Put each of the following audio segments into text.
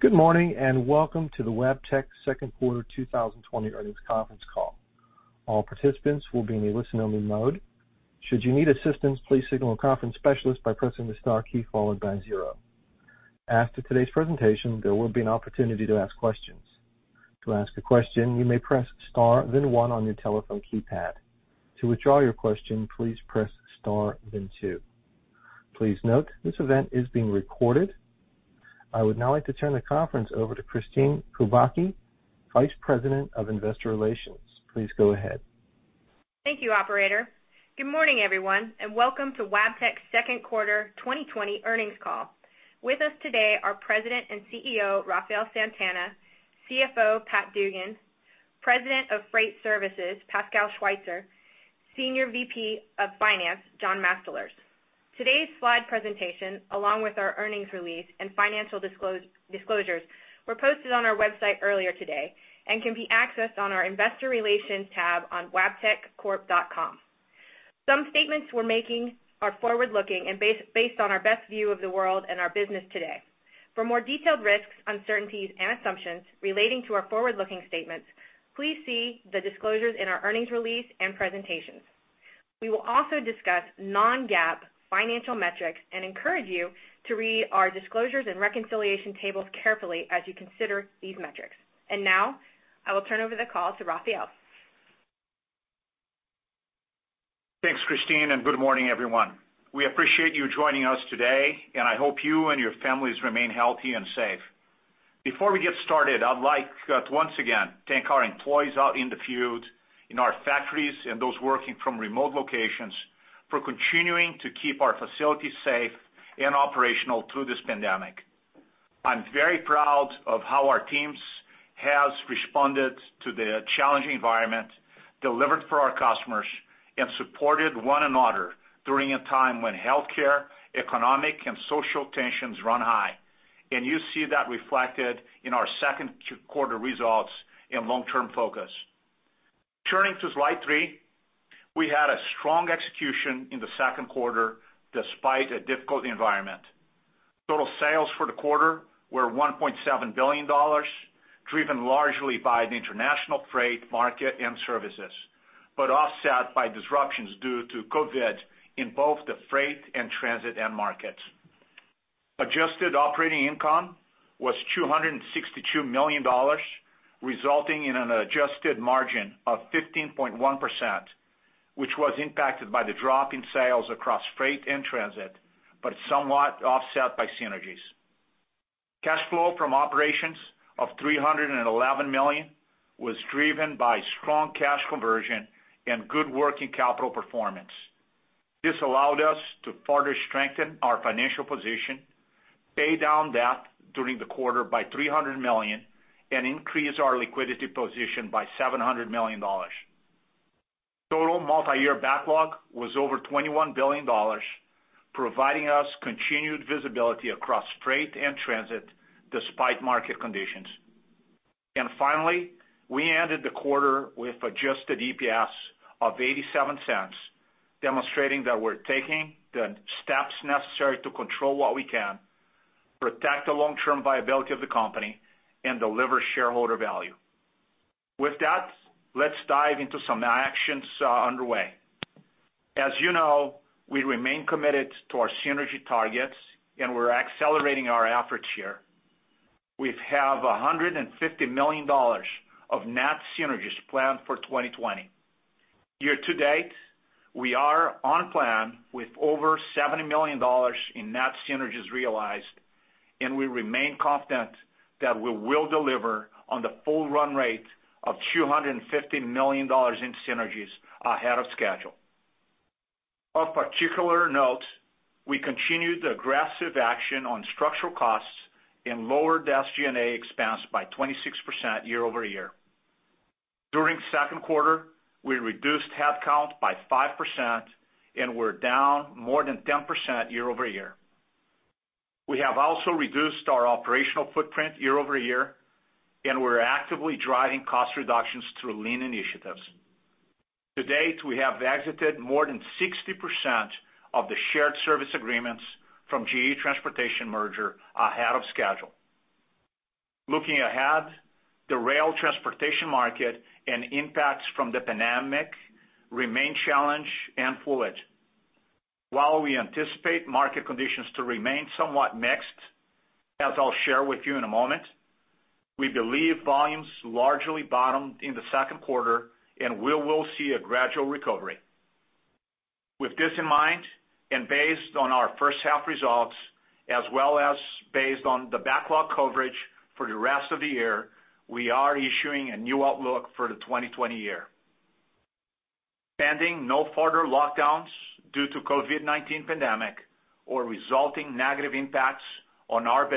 Good morning and welcome to the Wabtec Second Quarter 2020 earnings conference call. All participants will be in a listen-only mode. Should you need assistance, please signal a conference specialist by pressing the star key followed by zero. As for today's presentation, there will be an opportunity to ask questions. To ask a question, you may press star then one on your telephone keypad. To withdraw your question, please press star then two. Please note this event is being recorded. I would now like to turn the conference over to Kristine Kubacki, Vice President of Investor Relations. Please go ahead. Thank you, Operator. Good morning, everyone, and welcome to Wabtec Second Quarter 2020 earnings call. With us today are President and CEO Rafael Santana, CFO Pat Dugan, President of Freight Services Pascal Schweitzer, Senior VP of Finance John Mastalerz. Today's slide presentation, along with our earnings release and financial disclosures, were posted on our website earlier today and can be accessed on our Investor Relations tab on wabteccorp.com. Some statements we're making are forward-looking and based on our best view of the world and our business today. For more detailed risks, uncertainties, and assumptions relating to our forward-looking statements, please see the disclosures in our earnings release and presentations. We will also discuss non-GAAP financial metrics and encourage you to read our disclosures and reconciliation tables carefully as you consider these metrics, and now I will turn over the call to Rafael. Thanks, Kristine, and good morning, everyone. We appreciate you joining us today, and I hope you and your families remain healthy and safe. Before we get started, I'd like to once again thank our employees out in the field, in our factories, and those working from remote locations for continuing to keep our facilities safe and operational through this pandemic. I'm very proud of how our teams have responded to the challenging environment, delivered for our customers, and supported one another during a time when healthcare, economic, and social tensions run high, and you see that reflected in our second quarter results and long-term focus. Turning to slide three, we had a strong execution in the second quarter despite a difficult environment. Total sales for the quarter were $1.7 billion, driven largely by the international freight market and services, but offset by disruptions due to COVID in both the freight and transit end markets. Adjusted operating income was $262 million, resulting in an adjusted margin of 15.1%, which was impacted by the drop in sales across freight and transit, but somewhat offset by synergies. Cash flow from operations of $311 million was driven by strong cash conversion and good working capital performance. This allowed us to further strengthen our financial position, pay down debt during the quarter by $300 million, and increase our liquidity position by $700 million. Total multi-year backlog was over $21 billion, providing us continued visibility across freight and transit despite market conditions. Finally, we ended the quarter with adjusted EPS of $0.87, demonstrating that we're taking the steps necessary to control what we can, protect the long-term viability of the company, and deliver shareholder value. With that, let's dive into some actions underway. As you know, we remain committed to our synergy targets, and we're accelerating our efforts here. We have $150 million of net synergies planned for 2020. Year to date, we are on plan with over $70 million in net synergies realized, and we remain confident that we will deliver on the full run rate of $250 million in synergies ahead of schedule. Of particular note, we continued aggressive action on structural costs and lowered SG&A expense by 26% year-over-year. During the second quarter, we reduced headcount by 5%, and we're down more than 10% year-over-year. We have also reduced our operational footprint year-over-year, and we're actively driving cost reductions through lean initiatives. To date, we have exited more than 60% of the shared service agreements from GE Transportation merger ahead of schedule. Looking ahead, the rail transportation market and impacts from the pandemic remain challenged and fluid. While we anticipate market conditions to remain somewhat mixed, as I'll share with you in a moment, we believe volumes largely bottomed in the second quarter, and we will see a gradual recovery. With this in mind, and based on our first half results, as well as based on the backlog coverage for the rest of the year, we are issuing a new outlook for the 2020 year. Pending no further lockdowns due to the COVID-19 pandemic or resulting negative impacts on our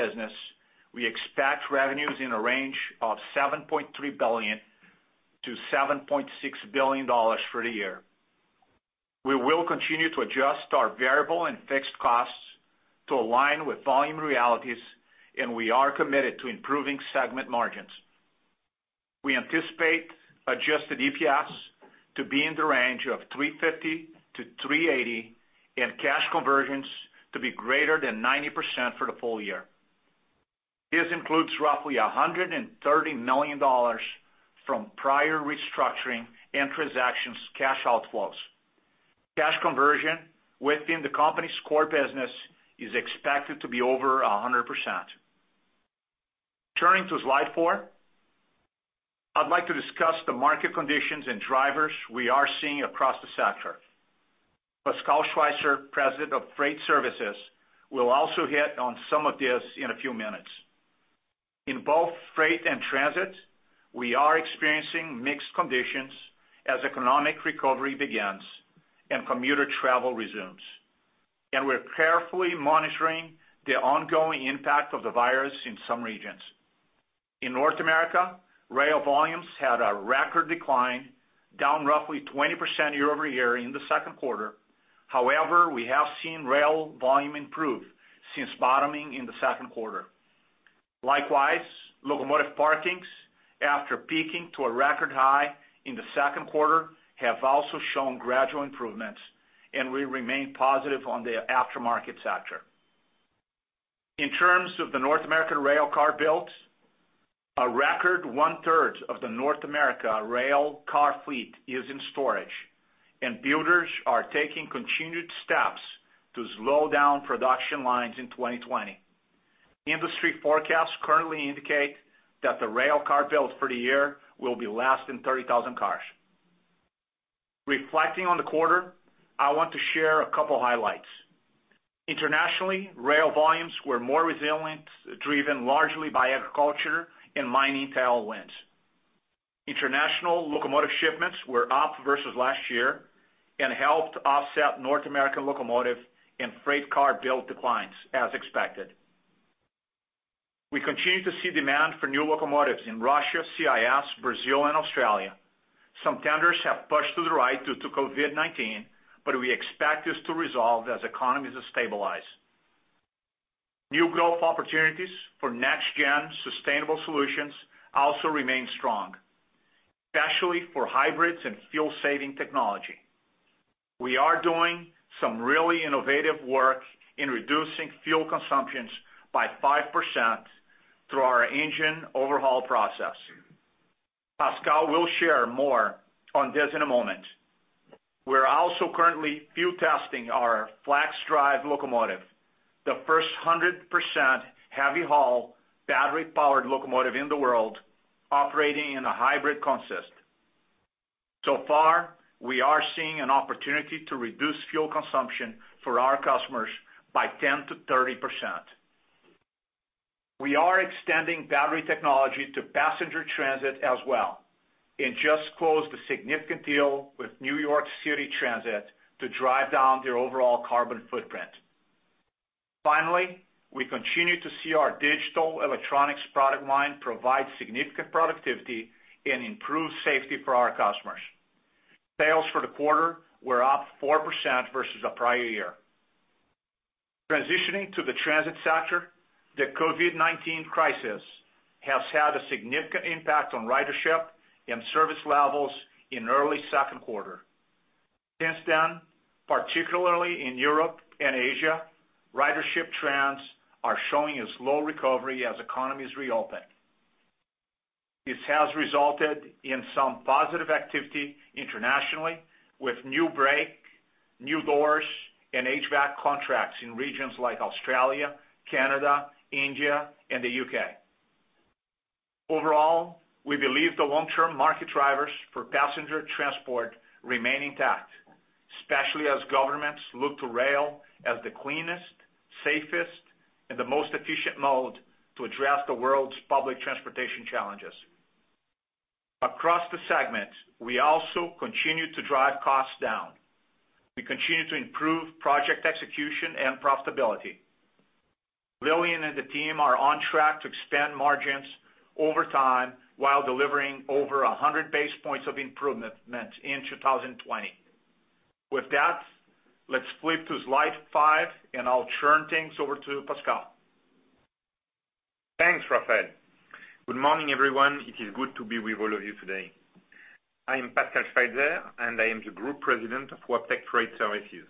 business, we expect revenues in a range of $7.3 billion-$7.6 billion for the year. We will continue to adjust our variable and fixed costs to align with volume realities, and we are committed to improving segment margins. We anticipate adjusted EPS to be in the range of $350-$380, and cash conversions to be greater than 90% for the full year. This includes roughly $130 million from prior restructuring and transactions cash outflows. Cash conversion within the company's core business is expected to be over 100%. Turning to slide four, I'd like to discuss the market conditions and drivers we are seeing across the sector. Pascal Schweitzer, President of Freight Services, will also hit on some of this in a few minutes. In both freight and transit, we are experiencing mixed conditions as economic recovery begins and commuter travel resumes. And we're carefully monitoring the ongoing impact of the virus in some regions. In North America, rail volumes had a record decline, down roughly 20% year-over-year in the second quarter. However, we have seen rail volume improve since bottoming in the second quarter. Likewise, locomotive parkings, after peaking to a record high in the second quarter, have also shown gradual improvements, and we remain positive on the aftermarket sector. In terms of the North American rail car builds, a record one-third of the North America rail car fleet is in storage, and builders are taking continued steps to slow down production lines in 2020. Industry forecasts currently indicate that the rail car builds for the year will be less than 30,000 cars. Reflecting on the quarter, I want to share a couple of highlights. Internationally, rail volumes were more resilient, driven largely by agriculture and mining tailwinds. International locomotive shipments were up versus last year and helped offset North American locomotive and freight car build declines, as expected. We continue to see demand for new locomotives in Russia, CIS, Brazil, and Australia. Some tenders have pushed to the right due to COVID-19, but we expect this to resolve as economies stabilize. New growth opportunities for next-gen sustainable solutions also remain strong, especially for hybrids and fuel-saving technology. We are doing some really innovative work in reducing fuel consumptions by 5% through our engine overhaul process. Pascal will share more on this in a moment. We're also currently field testing our FLXdrive locomotive, the first 100% heavy-haul battery-powered locomotive in the world operating in a hybrid consist. So far, we are seeing an opportunity to reduce fuel consumption for our customers by 10%-30%. We are extending battery technology to passenger transit as well and just closed a significant deal with New York City Transit to drive down their overall carbon footprint. Finally, we continue to see our digital electronics product line provide significant productivity and improve safety for our customers. Sales for the quarter were up 4% versus a prior year. Transitioning to the transit sector, the COVID-19 crisis has had a significant impact on ridership and service levels in early second quarter. Since then, particularly in Europe and Asia, ridership trends are showing a slow recovery as economies reopen. This has resulted in some positive activity internationally with new brake, new doors, and HVAC contracts in regions like Australia, Canada, India, and the U.K. Overall, we believe the long-term market drivers for passenger transport remain intact, especially as governments look to rail as the cleanest, safest, and the most efficient mode to address the world's public transportation challenges. Across the segment, we also continue to drive costs down. We continue to improve project execution and profitability. Lilian and the team are on track to expand margins over time while delivering over 100 basis points of improvement in 2020. With that, let's flip to slide five, and I'll turn things over to Pascal. Thanks, Rafael. Good morning, everyone. It is good to be with all of you today. I am Pascal Schweitzer, and I am the Group President of Wabtec Freight Services.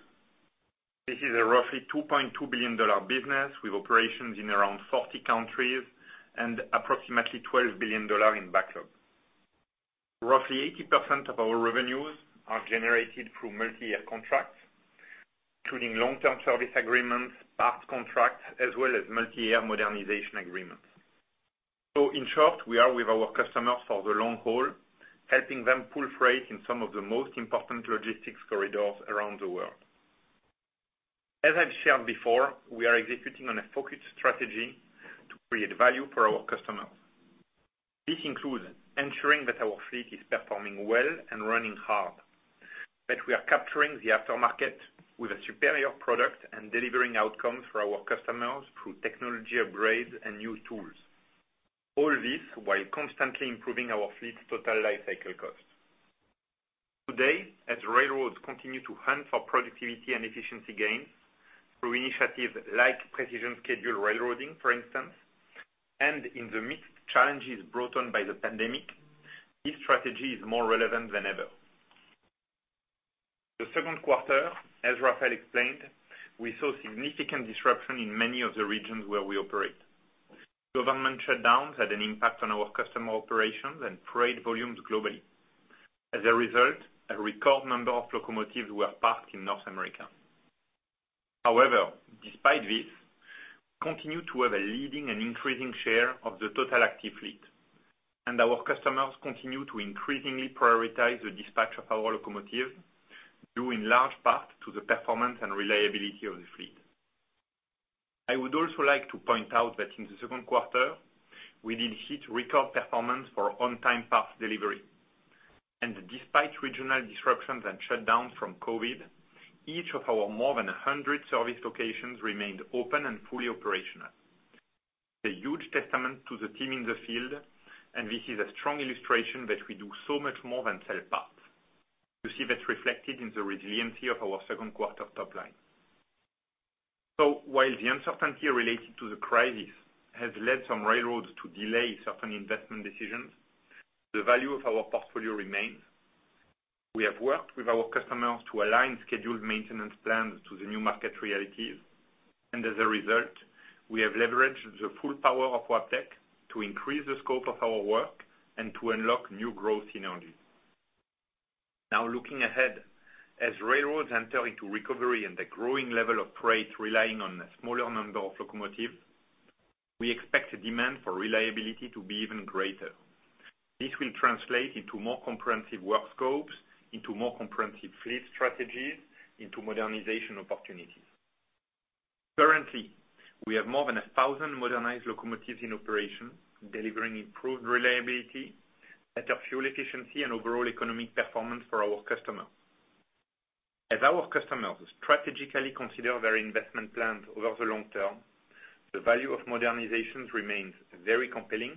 This is a roughly $2.2 billion business with operations in around 40 countries and approximately $12 billion in backlog. Roughly 80% of our revenues are generated through multi-year contracts, including long-term service agreements, parts contracts, as well as multi-year modernization agreements. So in short, we are with our customers for the long haul, helping them pull freight in some of the most important logistics corridors around the world. As I've shared before, we are executing on a focused strategy to create value for our customers. This includes ensuring that our fleet is performing well and running hard, that we are capturing the aftermarket with a superior product, and delivering outcomes for our customers through technology upgrades and new tools. All this while constantly improving our fleet's total lifecycle cost. Today, as railroads continue to hunt for productivity and efficiency gains through initiatives like Precision Scheduled Railroading, for instance, and in the midst of challenges brought on by the pandemic, this strategy is more relevant than ever. The second quarter, as Rafael explained, we saw significant disruption in many of the regions where we operate. Government shutdowns had an impact on our customer operations and freight volumes globally. As a result, a record number of locomotives were parked in North America. However, despite this, we continue to have a leading and increasing share of the total active fleet, and our customers continue to increasingly prioritize the dispatch of our locomotives, due in large part to the performance and reliability of the fleet. I would also like to point out that in the second quarter, we did hit record performance for on-time parts delivery, and despite regional disruptions and shutdowns from COVID, each of our more than 100 service locations remained open and fully operational. It's a huge testament to the team in the field, and this is a strong illustration that we do so much more than sell parts. You see that reflected in the resiliency of our second quarter top line, while the uncertainty related to the crisis has led some railroads to delay certain investment decisions, the value of our portfolio remains. We have worked with our customers to align scheduled maintenance plans to the new market realities, and as a result, we have leveraged the full power of Wabtec to increase the scope of our work and to unlock new growth synergies. Now, looking ahead, as railroads enter into recovery and a growing level of freight relying on a smaller number of locomotives, we expect the demand for reliability to be even greater. This will translate into more comprehensive work scopes, into more comprehensive fleet strategies, into modernization opportunities. Currently, we have more than 1,000 modernized locomotives in operation, delivering improved reliability, better fuel efficiency, and overall economic performance for our customers. As our customers strategically consider their investment plans over the long term, the value of modernizations remains very compelling.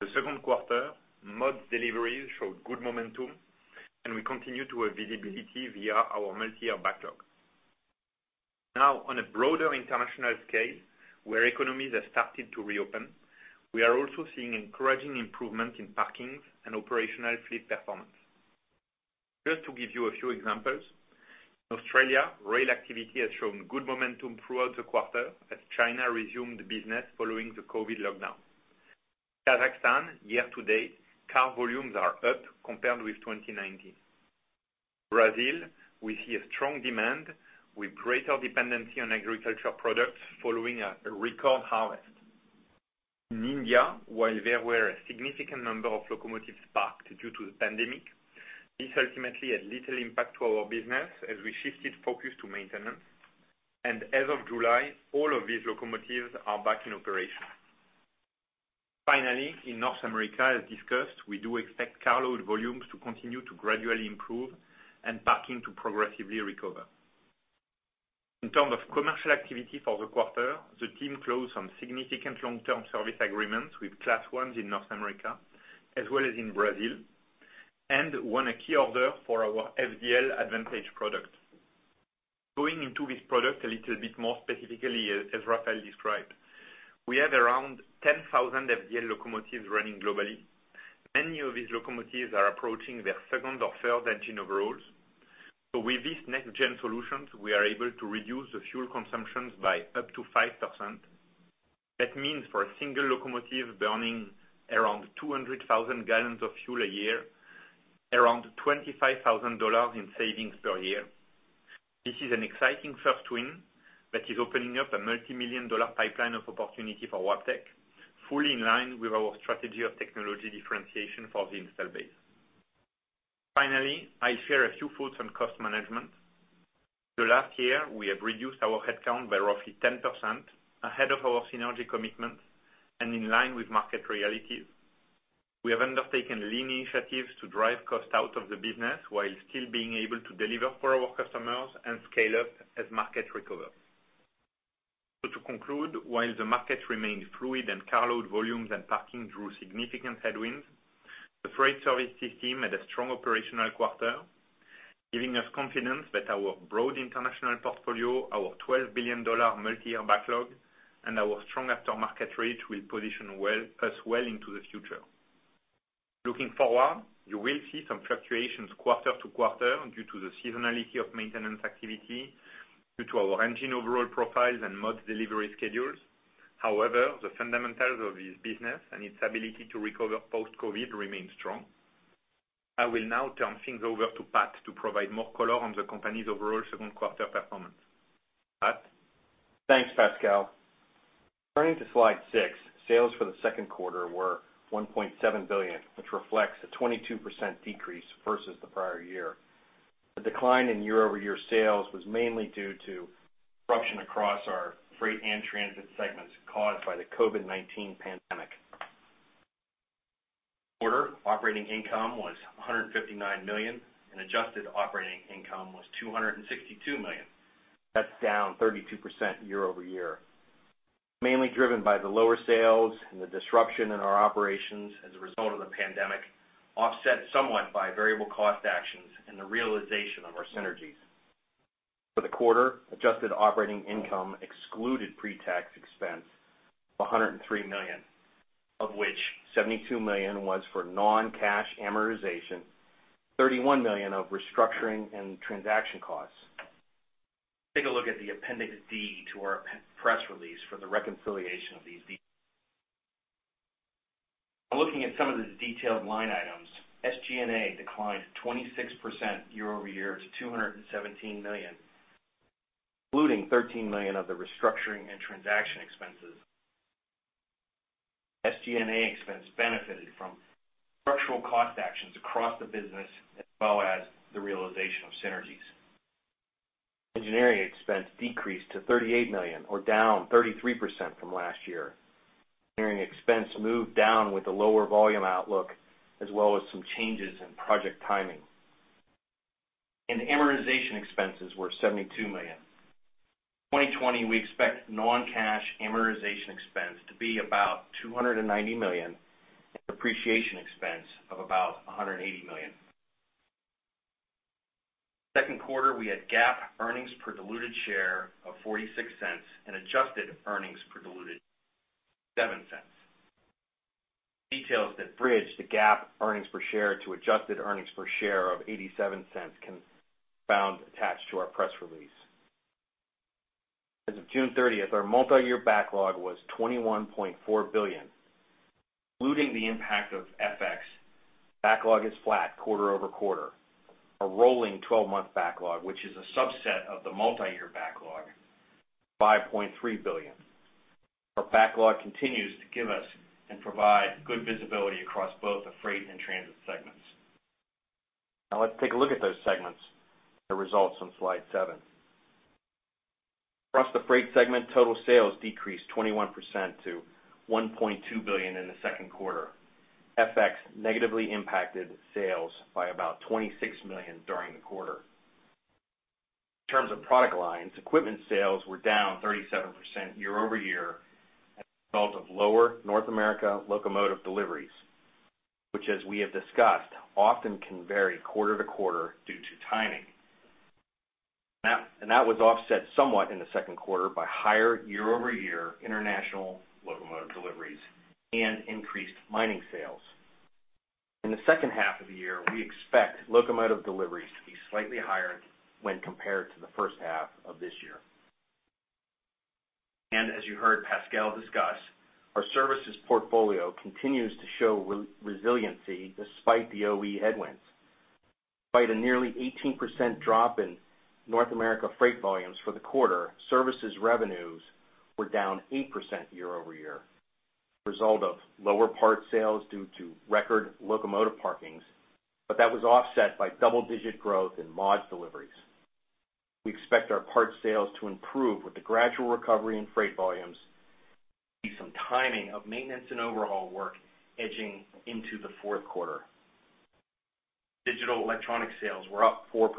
The second quarter mod deliveries showed good momentum, and we continue to have visibility via our multi-year backlog. Now, on a broader international scale, where economies have started to reopen, we are also seeing encouraging improvements in parkings and operational fleet performance. Just to give you a few examples, in Australia, rail activity has shown good momentum throughout the quarter as China resumed business following the COVID lockdown. Kazakhstan, year to date, car volumes are up compared with 2019. Brazil, we see a strong demand with greater dependency on agriculture products following a record harvest. In India, while there were a significant number of locomotives parked due to the pandemic, this ultimately had little impact on our business as we shifted focus to maintenance, and as of July, all of these locomotives are back in operation. Finally, in North America, as discussed, we do expect carload volumes to continue to gradually improve and parking to progressively recover. In terms of commercial activity for the quarter, the team closed some significant long-term service agreements with Class I's in North America, as well as in Brazil, and won a key order for our FDL Advantage product. Going into this product a little bit more specifically, as Rafael described, we have around 10,000 FDL locomotives running globally. Many of these locomotives are approaching their second or third engine overhauls. So with these next-gen solutions, we are able to reduce the fuel consumption by up to 5%. That means for a single locomotive burning around 200,000 gallons of fuel a year, around $25,000 in savings per year. This is an exciting first win that is opening up a multi-million-dollar pipeline of opportunity for Wabtec, fully in line with our strategy of technology differentiation for the installed base. Finally, I'll share a few thoughts on cost management. The last year, we have reduced our headcount by roughly 10% ahead of our synergy commitment and in line with market realities. We have undertaken lean initiatives to drive cost out of the business while still being able to deliver for our customers and scale up as markets recover. So to conclude, while the market remained fluid and carload volumes and parking drew significant headwinds, the freight services team had a strong operational quarter, giving us confidence that our broad international portfolio, our $12 billion multi-year backlog, and our strong aftermarket reach will position us well into the future. Looking forward, you will see some fluctuations quarter to quarter due to the seasonality of maintenance activity, due to our engine overhaul profiles and mod delivery schedules. However, the fundamentals of this business and its ability to recover post-COVID remain strong. I will now turn things over to Pat to provide more color on the company's overall second quarter performance. Pat. Thanks, Pascal. Turning to slide six, sales for the second quarter were $1.7 billion, which reflects a 22% decrease versus the prior year. The decline in year-over-year sales was mainly due to disruption across our freight and transit segments caused by the COVID-19 pandemic. Our operating income was $159 million, and adjusted operating income was $262 million. That's down 32% year-over-year. Mainly driven by the lower sales and the disruption in our operations as a result of the pandemic, offset somewhat by variable cost actions and the realization of our synergies. For the quarter, adjusted operating income excluded pre-tax expense of $103 million, of which $72 million was for non-cash amortization, $31 million of restructuring and transaction costs. Take a look at the appendix D to our press release for the reconciliation of these details. Looking at some of the detailed line items, SG&A declined 26% year-over-year to $217 million, including $13 million of the restructuring and transaction expenses. SG&A expense benefited from structural cost actions across the business as well as the realization of synergies. Engineering expense decreased to $38 million, or down 33% from last year. Engineering expense moved down with a lower volume outlook as well as some changes in project timing. Amortization expenses were $72 million. In 2020, we expect non-cash amortization expense to be about $290 million and depreciation expense of about $180 million. Second quarter, we had GAAP earnings per diluted share of $0.46 and adjusted earnings per diluted share of $0.07. Details that bridge the GAAP earnings per share to adjusted earnings per diluted share of $0.87 can be found attached to our press release. As of June 30th, our multi-year backlog was $21.4 billion. Excluding the impact of FX, backlog is flat quarter over quarter. Our rolling 12-month backlog, which is a subset of the multi-year backlog, is $5.3 billion. Our backlog continues to give us and provide good visibility across both the freight and transit segments. Now, let's take a look at those segments and the results on slide seven. Across the freight segment, total sales decreased 21% to $1.2 billion in the second quarter. FX negatively impacted sales by about $26 million during the quarter. In terms of product lines, equipment sales were down 37% year-over-year as a result of lower North America locomotive deliveries, which, as we have discussed, often can vary quarter to quarter due to timing. And that was offset somewhat in the second quarter by higher year-over-year international locomotive deliveries and increased mining sales. In the second half of the year, we expect locomotive deliveries to be slightly higher when compared to the first half of this year. And as you heard Pascal discuss, our services portfolio continues to show resiliency despite the OE headwinds. Despite a nearly 18% drop in North America freight volumes for the quarter, services revenues were down 8% year-over-year as a result of lower parts sales due to record locomotive parkings, but that was offset by double-digit growth in mods deliveries. We expect our parts sales to improve with the gradual recovery in freight volumes and see some timing of maintenance and overhaul work edging into the fourth quarter. Digital electronic sales were up 4%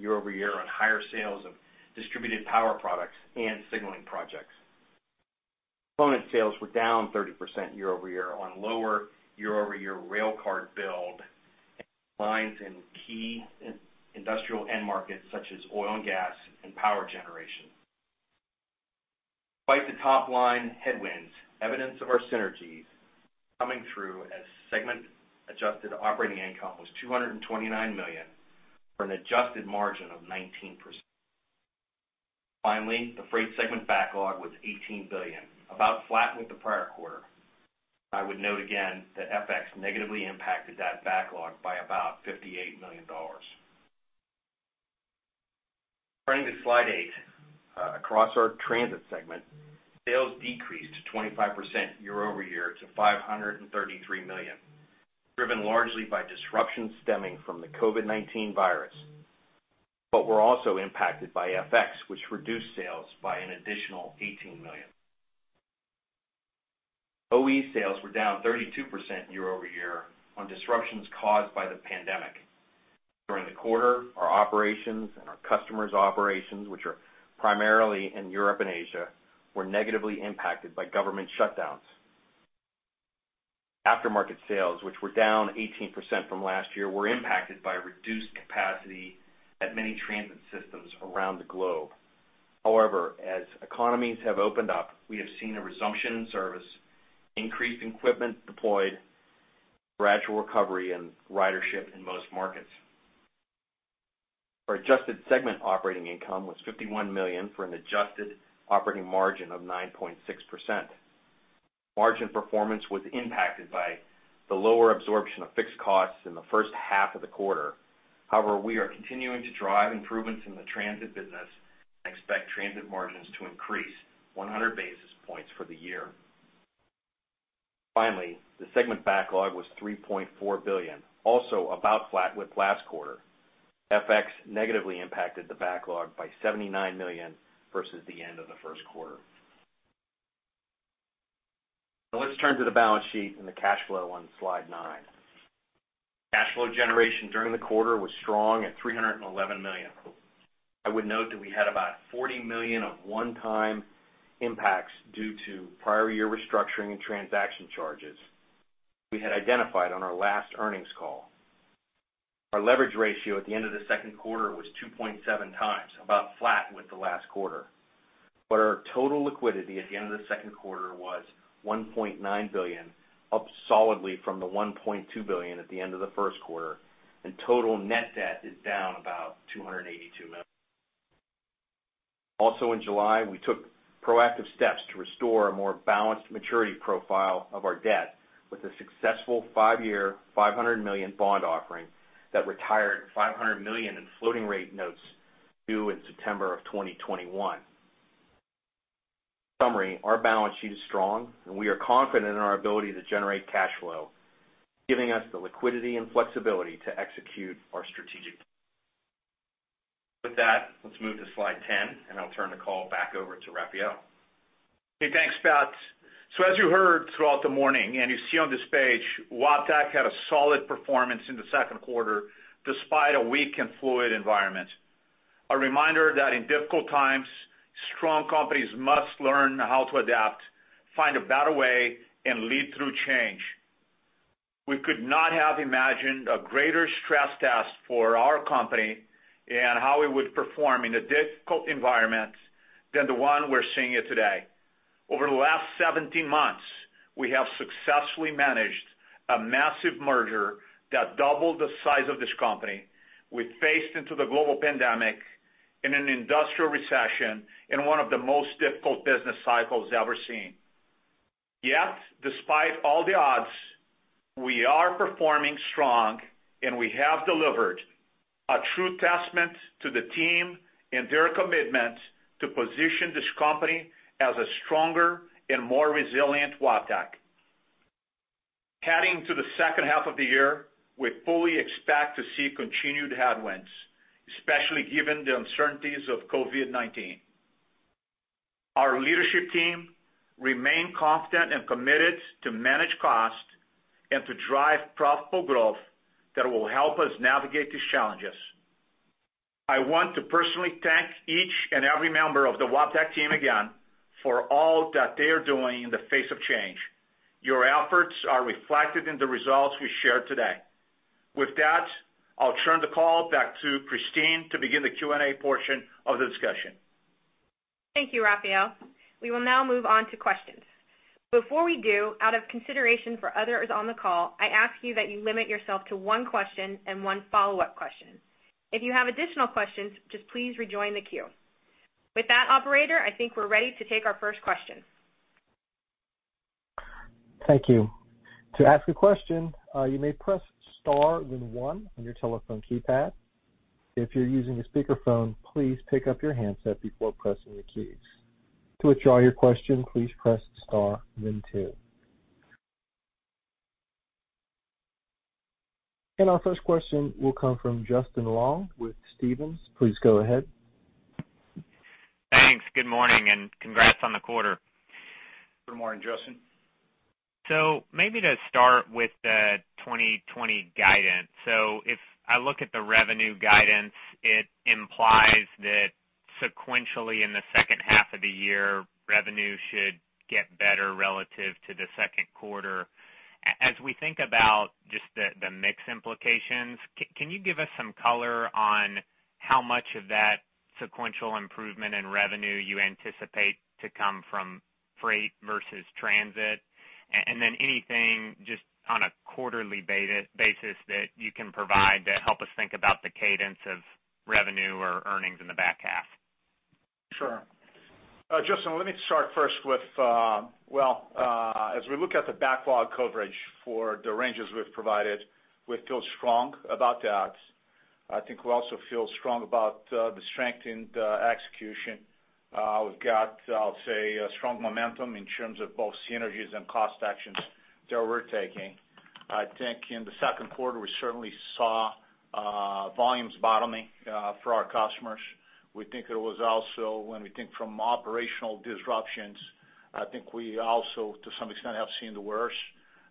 year-over-year on higher sales of distributed power products and signaling projects. Component sales were down 30% year-over-year on lower year-over-year railcar build and declines in key industrial end markets such as oil and gas and power generation. Despite the top line headwinds, evidence of our synergies is coming through as segment adjusted operating income was $229 million for an adjusted margin of 19%. Finally, the freight segment backlog was $18 billion, about flat with the prior quarter. I would note again that FX negatively impacted that backlog by about $58 million. Turning to slide eight, across our transit segment, sales decreased 25% year-over-year to $533 million, driven largely by disruptions stemming from the COVID-19 virus. But we're also impacted by FX, which reduced sales by an additional $18 million. OE sales were down 32% year-over-year on disruptions caused by the pandemic. During the quarter, our operations and our customers' operations, which are primarily in Europe and Asia, were negatively impacted by government shutdowns. Aftermarket sales, which were down 18% from last year, were impacted by reduced capacity at many transit systems around the globe. However, as economies have opened up, we have seen a resumption in service, increased equipment deployed, gradual recovery, and ridership in most markets. Our adjusted segment operating income was $51 million for an adjusted operating margin of 9.6%. Margin performance was impacted by the lower absorption of fixed costs in the first half of the quarter. However, we are continuing to drive improvements in the transit business and expect transit margins to increase 100 basis points for the year. Finally, the segment backlog was $3.4 billion, also about flat with last quarter. FX negatively impacted the backlog by $79 million versus the end of the first quarter. Now, let's turn to the balance sheet and the cash flow on slide 9. Cash flow generation during the quarter was strong at $311 million. I would note that we had about $40 million of one-time impacts due to prior year restructuring and transaction charges we had identified on our last earnings call. Our leverage ratio at the end of the second quarter was 2.7 times, about flat with the last quarter. But our total liquidity at the end of the second quarter was $1.9 billion, up solidly from the $1.2 billion at the end of the first quarter, and total net debt is down about $282 million. Also, in July, we took proactive steps to restore a more balanced maturity profile of our debt with a successful five-year $500 million bond offering that retired $500 million in floating rate notes due in September of 2021. In summary, our balance sheet is strong, and we are confident in our ability to generate cash flow, giving us the liquidity and flexibility to execute our strategic plan. With that, let's move to slide 10, and I'll turn the call back over to Rafael. Hey, thanks, Pat. So as you heard throughout the morning and you see on this page, Wabtec had a solid performance in the second quarter despite a weak and fluid environment. A reminder that in difficult times, strong companies must learn how to adapt, find a better way, and lead through change. We could not have imagined a greater stress test for our company and how we would perform in a difficult environment than the one we're seeing today. Over the last 17 months, we have successfully managed a massive merger that doubled the size of this company. We faced into the global pandemic and an industrial recession in one of the most difficult business cycles ever seen. Yet, despite all the odds, we are performing strong, and we have delivered a true testament to the team and their commitment to position this company as a stronger and more resilient Wabtec. Heading into the second half of the year, we fully expect to see continued headwinds, especially given the uncertainties of COVID-19. Our leadership team remains confident and committed to manage costs and to drive profitable growth that will help us navigate these challenges. I want to personally thank each and every member of the Wabtec team again for all that they are doing in the face of change. Your efforts are reflected in the results we shared today. With that, I'll turn the call back to Kristine to begin the Q&A portion of the discussion. Thank you, Rafael. We will now move on to questions. Before we do, out of consideration for others on the call, I ask you that you limit yourself to one question and one follow-up question. If you have additional questions, just please rejoin the queue. With that, Operator, I think we're ready to take our first question. Thank you. To ask a question, you may press star then one on your telephone keypad. If you're using a speakerphone, please pick up your handset before pressing the keys. To withdraw your question, please press star then two. And our first question will come from Justin Long with Stephens. Please go ahead. Thanks. Good morning and congrats on the quarter. Good morning, Justin. Maybe to start with the 2020 guidance. If I look at the revenue guidance, it implies that sequentially in the second half of the year, revenue should get better relative to the second quarter. As we think about just the mix implications, can you give us some color on how much of that sequential improvement in revenue you anticipate to come from freight versus transit? Anything just on a quarterly basis that you can provide to help us think about the cadence of revenue or earnings in the back half. Sure. Justin, let me start first with, well, as we look at the backlog coverage for the ranges we've provided, we feel strong about that. I think we also feel strong about the strength in the execution. We've got, I'll say, strong momentum in terms of both synergies and cost actions that we're taking. I think in the second quarter, we certainly saw volumes bottoming for our customers. We think it was also when we think from operational disruptions, I think we also, to some extent, have seen the worst.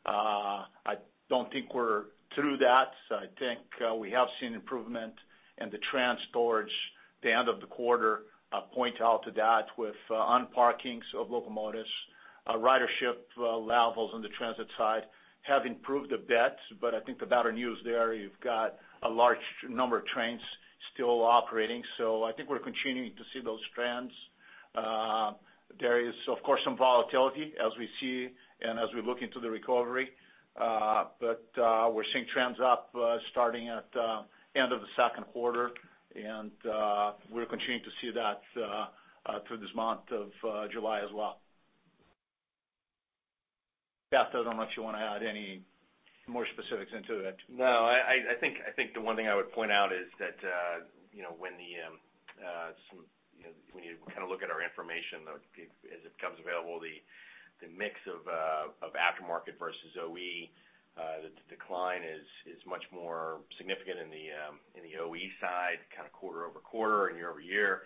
I don't think we're through that. I think we have seen improvement in the trains towards the end of the quarter. I point out to that with unparkings of locomotives, ridership levels on the transit side have improved a bit, but I think the better news there, you've got a large number of trains still operating. So I think we're continuing to see those trends. There is, of course, some volatility as we see and as we look into the recovery, but we're seeing trends up starting at the end of the second quarter, and we're continuing to see that through this month of July as well. Pat, I don't know if you want to add any more specifics into it. No, I think the one thing I would point out is that when you kind of look at our information, as it becomes available, the mix of aftermarket versus OE, the decline is much more significant in the OE side, kind of quarter over quarter and year-over -year.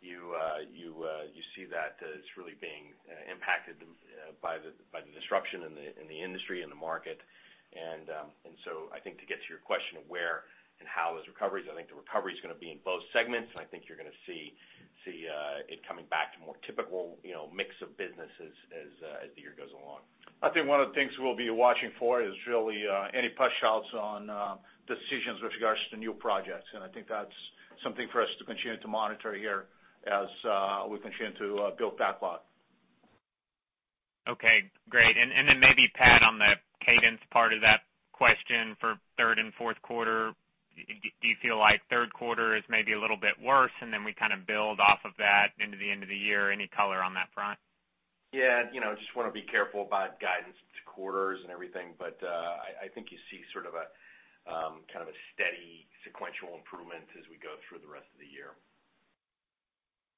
You see that it's really being impacted by the disruption in the industry and the market. And so I think to get to your question of where and how those recoveries, I think the recovery is going to be in both segments, and I think you're going to see it coming back to a more typical mix of business as the year goes along. I think one of the things we'll be watching for is really any push outs on decisions with regards to new projects, and I think that's something for us to continue to monitor here as we continue to build backlog. Okay. Great. And then maybe, Pat, on the cadence part of that question for third and fourth quarter, do you feel like third quarter is maybe a little bit worse and then we kind of build off of that into the end of the year? Any color on that front? Yeah. Just want to be careful about guidance to quarters and everything, but I think you see sort of a kind of a steady sequential improvement as we go through the rest of the year.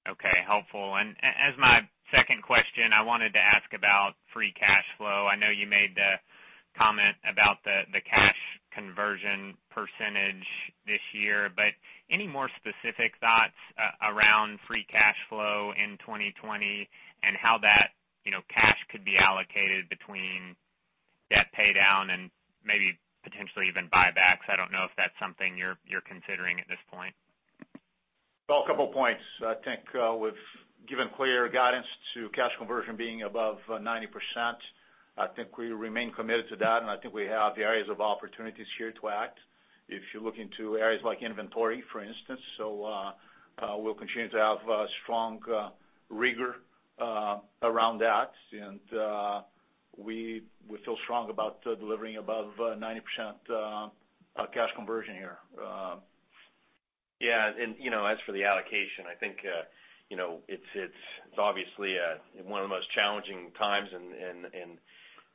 Okay. Helpful. And as my second question, I wanted to ask about free cash flow. I know you made the comment about the cash conversion percentage this year, but any more specific thoughts around free cash flow in 2020 and how that cash could be allocated between debt paydown and maybe potentially even buybacks? I don't know if that's something you're considering at this point. A couple of points. I think we've given clear guidance to cash conversion being above 90%. I think we remain committed to that, and I think we have areas of opportunities here to act if you're looking to areas like inventory, for instance. So we'll continue to have strong rigor around that, and we feel strong about delivering above 90% cash conversion here. Yeah. And as for the allocation, I think it's obviously one of the most challenging times,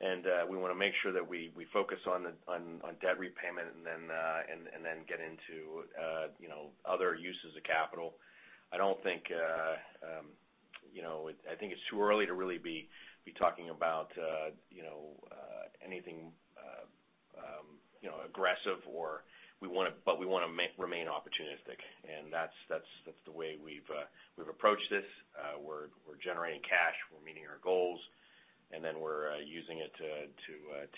and we want to make sure that we focus on debt repayment and then get into other uses of capital. I don't think, I think it's too early to really be talking about anything aggressive, but we want to remain opportunistic. And that's the way we've approached this. We're generating cash, we're meeting our goals, and then we're using it to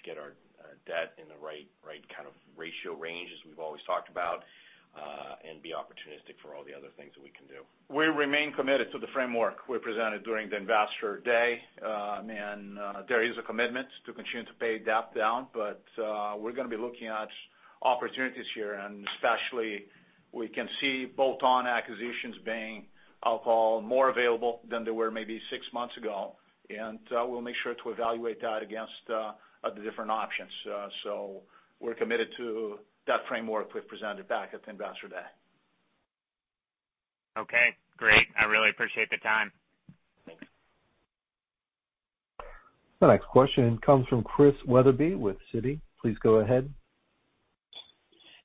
get our debt in the right kind of ratio range as we've always talked about and be opportunistic for all the other things that we can do. We remain committed to the framework we presented during the investor day, and there is a commitment to continue to pay debt down, but we're going to be looking at opportunities here, and especially we can see bolt-on acquisitions being, I'll call, more available than they were maybe six months ago, and we'll make sure to evaluate that against the different options, so we're committed to that framework we've presented back at the investor day. Okay. Great. I really appreciate the time. Thanks. The next question comes from Chris Wetherbee with Citi. Please go ahead.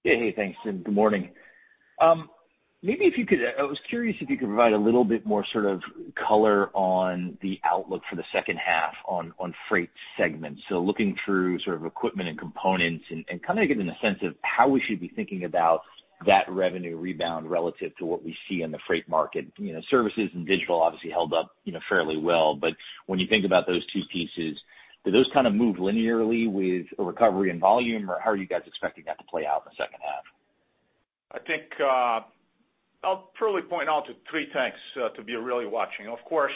Yeah. Hey, thanks, Tim. Good morning. Maybe if you could, I was curious if you could provide a little bit more sort of color on the outlook for the second half on freight segments. So looking through sort of equipment and components and kind of getting a sense of how we should be thinking about that revenue rebound relative to what we see in the freight market. Services and digital obviously held up fairly well, but when you think about those two pieces, do those kind of move linearly with a recovery in volume, or how are you guys expecting that to play out in the second half? I think I'll purely point out three things to be really watching. Of course,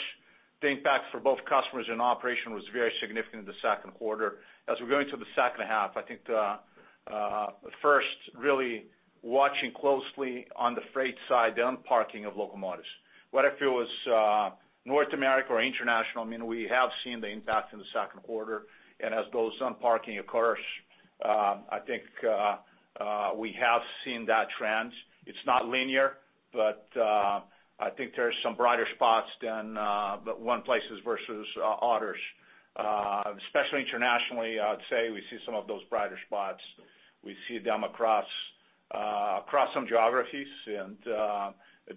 the impact for both customers and operation was very significant in the second quarter. As we go into the second half, I think the first really watching closely on the freight side, the unparking of locomotives. Whether it was North America or international, I mean, we have seen the impact in the second quarter. And as those unparking occurs, I think we have seen that trend. It's not linear, but I think there are some brighter spots than one places versus others. Especially internationally, I'd say we see some of those brighter spots. We see them across some geographies and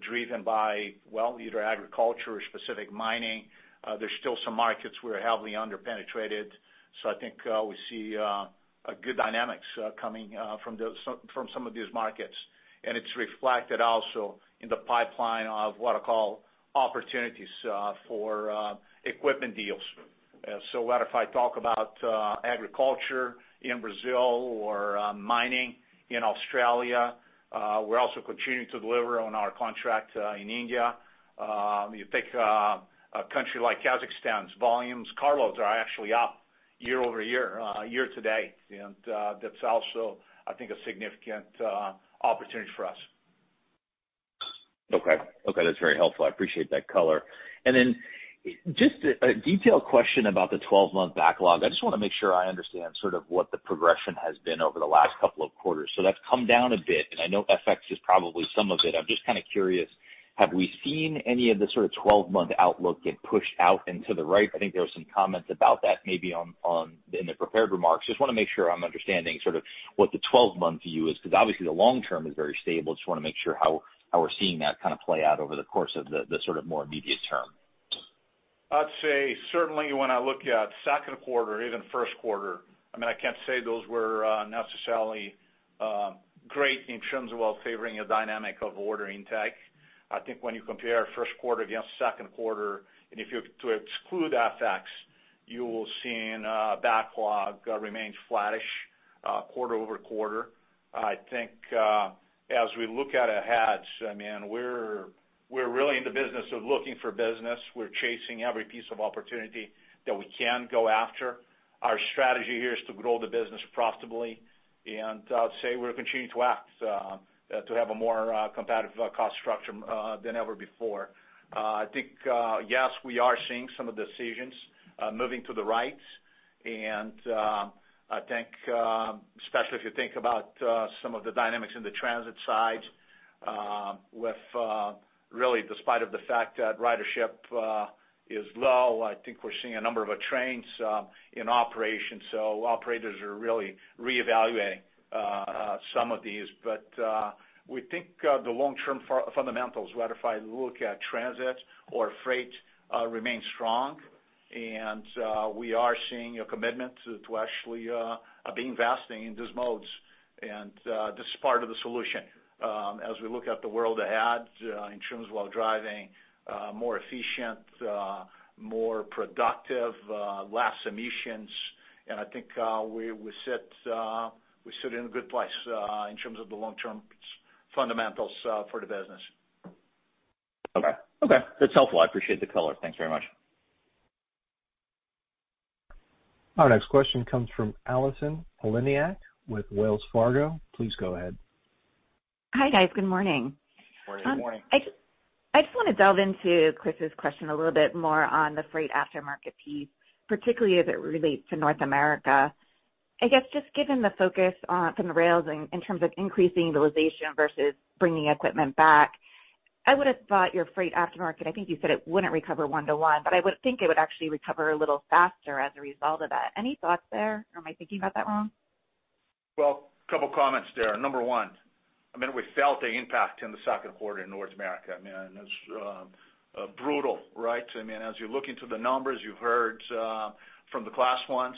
driven by, well, either agriculture or specific mining. There's still some markets we're heavily underpenetrated. So I think we see good dynamics coming from some of these markets. It's reflected also in the pipeline of what I call opportunities for equipment deals. So whether if I talk about agriculture in Brazil or mining in Australia, we're also continuing to deliver on our contract in India. You take a country like Kazakhstan's volumes, carloads are actually up year-over-year, year to date. That's also, I think, a significant opportunity for us. Okay. Okay. That's very helpful. I appreciate that color. And then just a detailed question about the 12-month backlog. I just want to make sure I understand sort of what the progression has been over the last couple of quarters. So that's come down a bit, and I know FX is probably some of it. I'm just kind of curious. Have we seen any of the sort of 12-month outlook get pushed out into the right? I think there were some comments about that maybe in the prepared remarks. Just want to make sure I'm understanding sort of what the 12-month view is because obviously the long term is very stable. Just want to make sure how we're seeing that kind of play out over the course of the sort of more immediate term. I'd say certainly when I look at second quarter, even first quarter, I mean, I can't say those were necessarily great in terms of, well, favoring a dynamic of ordering tech. I think when you compare first quarter against second quarter, and if you're to exclude FX, you will see backlog remain flattish quarter over quarter. I think as we look at ahead, I mean, we're really in the business of looking for business. We're chasing every piece of opportunity that we can go after. Our strategy here is to grow the business profitably. And I'd say we're continuing to act to have a more competitive cost structure than ever before. I think, yes, we are seeing some of the decisions moving to the right. I think especially if you think about some of the dynamics in the transit side, with really despite of the fact that ridership is low, I think we're seeing a number of trains in operation. Operators are really reevaluating some of these. We think the long-term fundamentals, whether if I look at transit or freight, remain strong. We are seeing a commitment to actually be investing in these modes. This is part of the solution. As we look at the world ahead in terms of, well, driving more efficient, more productive, less emissions, and I think we sit in a good place in terms of the long-term fundamentals for the business. Okay. Okay. That's helpful. I appreciate the color. Thanks very much. Our next question comes from Allison Poliniak with Wells Fargo. Please go ahead. Hi, guys. Good morning. Morning. Good morning. I just want to delve into Chris's question a little bit more on the freight aftermarket piece, particularly as it relates to North America. I guess just given the focus from the rails in terms of increasing utilization versus bringing equipment back, I would have thought your freight aftermarket, I think you said it wouldn't recover one-to-one, but I would think it would actually recover a little faster as a result of that. Any thoughts there? Or am I thinking about that wrong? A couple of comments there. Number one, I mean, we felt the impact in the second quarter in North America. I mean, it's brutal, right? I mean, as you're looking to the numbers, you've heard from the class ones.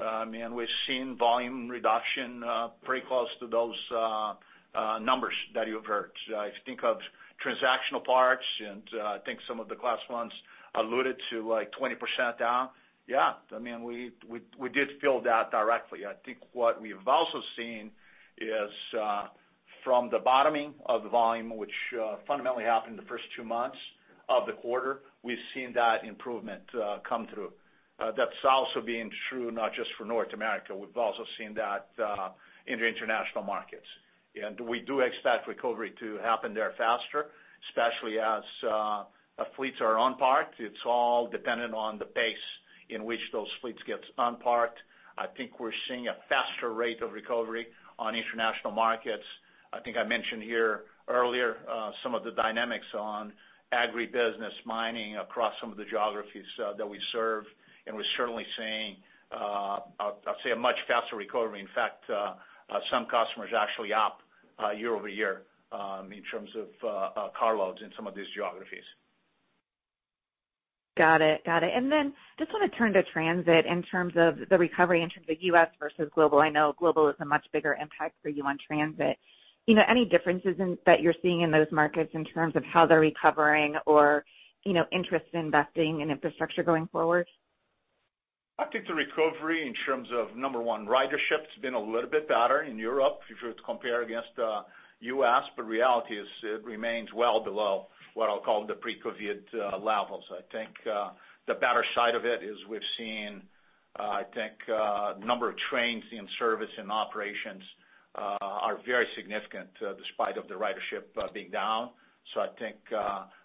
I mean, we've seen volume reduction pretty close to those numbers that you've heard. If you think of transactional parts and I think some of the class ones alluded to like 20% down, yeah, I mean, we did feel that directly. I think what we've also seen is from the bottoming of the volume, which fundamentally happened in the first two months of the quarter, we've seen that improvement come through. That's also being true not just for North America. We've also seen that in the international markets. And we do expect recovery to happen there faster, especially as fleets are unparked. It's all dependent on the pace in which those fleets get unparked. I think we're seeing a faster rate of recovery on international markets. I think I mentioned here earlier some of the dynamics on agribusiness mining across some of the geographies that we serve. And we're certainly seeing, I'd say, a much faster recovery. In fact, some customers actually up year -over-year in terms of carloads in some of these geographies. Got it. Got it, and then just want to turn to transit in terms of the recovery in terms of U.S. versus global. I know global is a much bigger impact for you on transit. Any differences that you're seeing in those markets in terms of how they're recovering or interest in investing in infrastructure going forward? I think the recovery in terms of, number one, ridership has been a little bit better in Europe if you compare against the U.S., but reality is it remains well below what I'll call the pre-COVID levels. I think the better side of it is we've seen, I think, a number of trains in service and operations are very significant despite of the ridership being down, so I think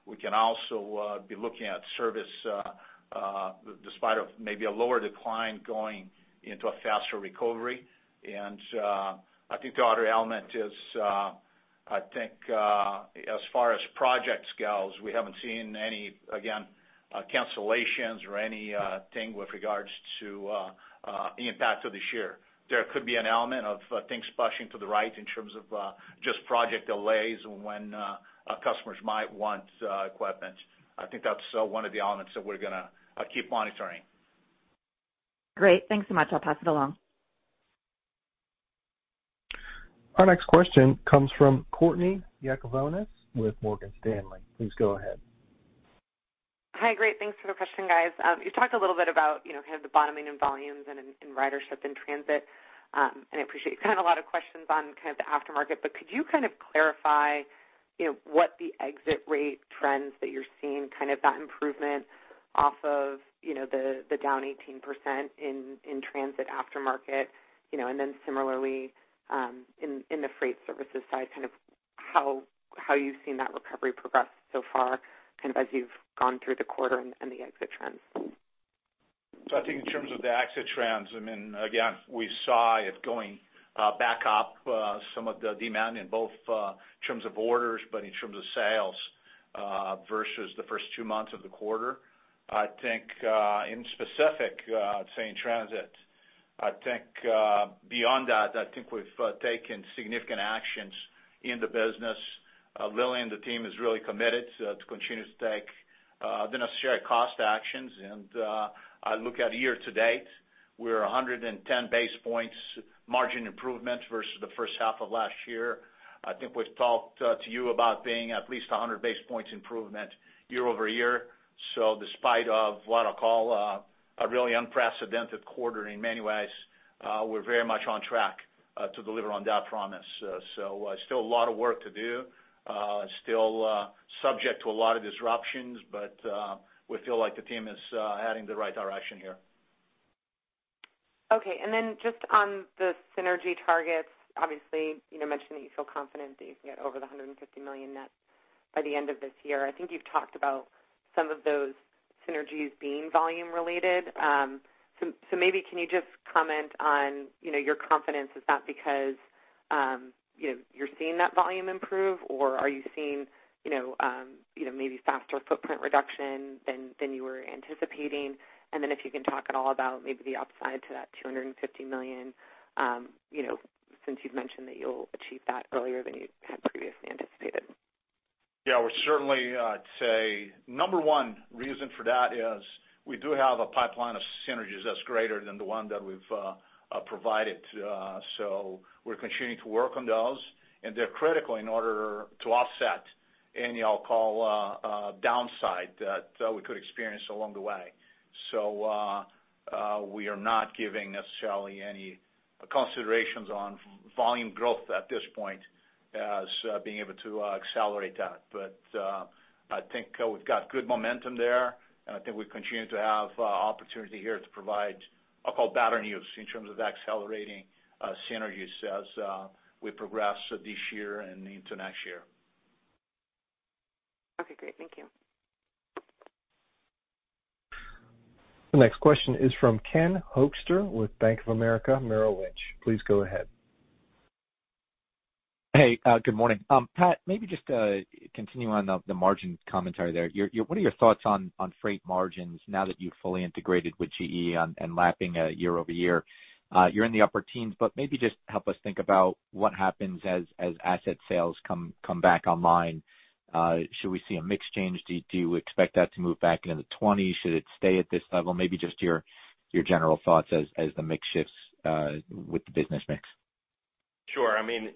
we can also be looking at service despite of maybe a lower decline going into a faster recovery, and I think the other element is, I think as far as projects go, we haven't seen any, again, cancellations or anything with regards to the impact of this year. There could be an element of things pushing to the right in terms of just project delays when customers might want equipment. I think that's one of the elements that we're going to keep monitoring. Great. Thanks so much. I'll pass it along. Our next question comes from Courtney Yakavonis with Morgan Stanley. Please go ahead. Hi, great. Thanks for the question, guys. You talked a little bit about kind of the bottoming in volumes and ridership in transit. And I appreciate you've got a lot of questions on kind of the aftermarket, but could you kind of clarify what the exit rate trends that you're seeing, kind of that improvement off of the down 18% in transit aftermarket? And then similarly, in the freight services side, kind of how you've seen that recovery progress so far kind of as you've gone through the quarter and the exit trends? So, I think in terms of the exit trends, I mean, again, we saw it going back up some of the demand in both terms of orders, but in terms of sales versus the first two months of the quarter. I think in specific, saying transit, I think beyond that, I think we've taken significant actions in the business. Lillian and the team is really committed to continue to take the necessary cost actions. And I look at year to date, we're 110 basis points margin improvement versus the first half of last year. I think we've talked to you about being at least 100 basis points improvement year-over -year. So despite of what I'll call a really unprecedented quarter in many ways, we're very much on track to deliver on that promise. So still a lot of work to do, still subject to a lot of disruptions, but we feel like the team is heading the right direction here. Okay. And then just on the synergy targets, obviously you mentioned that you feel confident that you can get over the $150 million net by the end of this year. I think you've talked about some of those synergies being volume-related. So maybe can you just comment on your confidence? Is that because you're seeing that volume improve, or are you seeing maybe faster footprint reduction than you were anticipating? And then if you can talk at all about maybe the upside to that $250 million since you've mentioned that you'll achieve that earlier than you had previously anticipated. Yeah. I would certainly say number one reason for that is we do have a pipeline of synergies that's greater than the one that we've provided. So we're continuing to work on those. And they're critical in order to offset any, I'll call, downside that we could experience along the way. So we are not giving necessarily any considerations on volume growth at this point as being able to accelerate that. But I think we've got good momentum there. And I think we continue to have opportunity here to provide, I'll call, better news in terms of accelerating synergies as we progress this year and into next year. Okay. Great. Thank you. The next question is from Ken Hoexter with Bank of America Merrill Lynch. Please go ahead. Hey, good morning. Pat, maybe just continue on the margin commentary there. What are your thoughts on freight margins now that you've fully integrated with GE and lapping year-over-year? You're in the upper teens, but maybe just help us think about what happens as asset sales come back online. Should we see a mix change? Do you expect that to move back into the 20s? Should it stay at this level? Maybe just your general thoughts as the mix shifts with the business mix. Sure. I mean,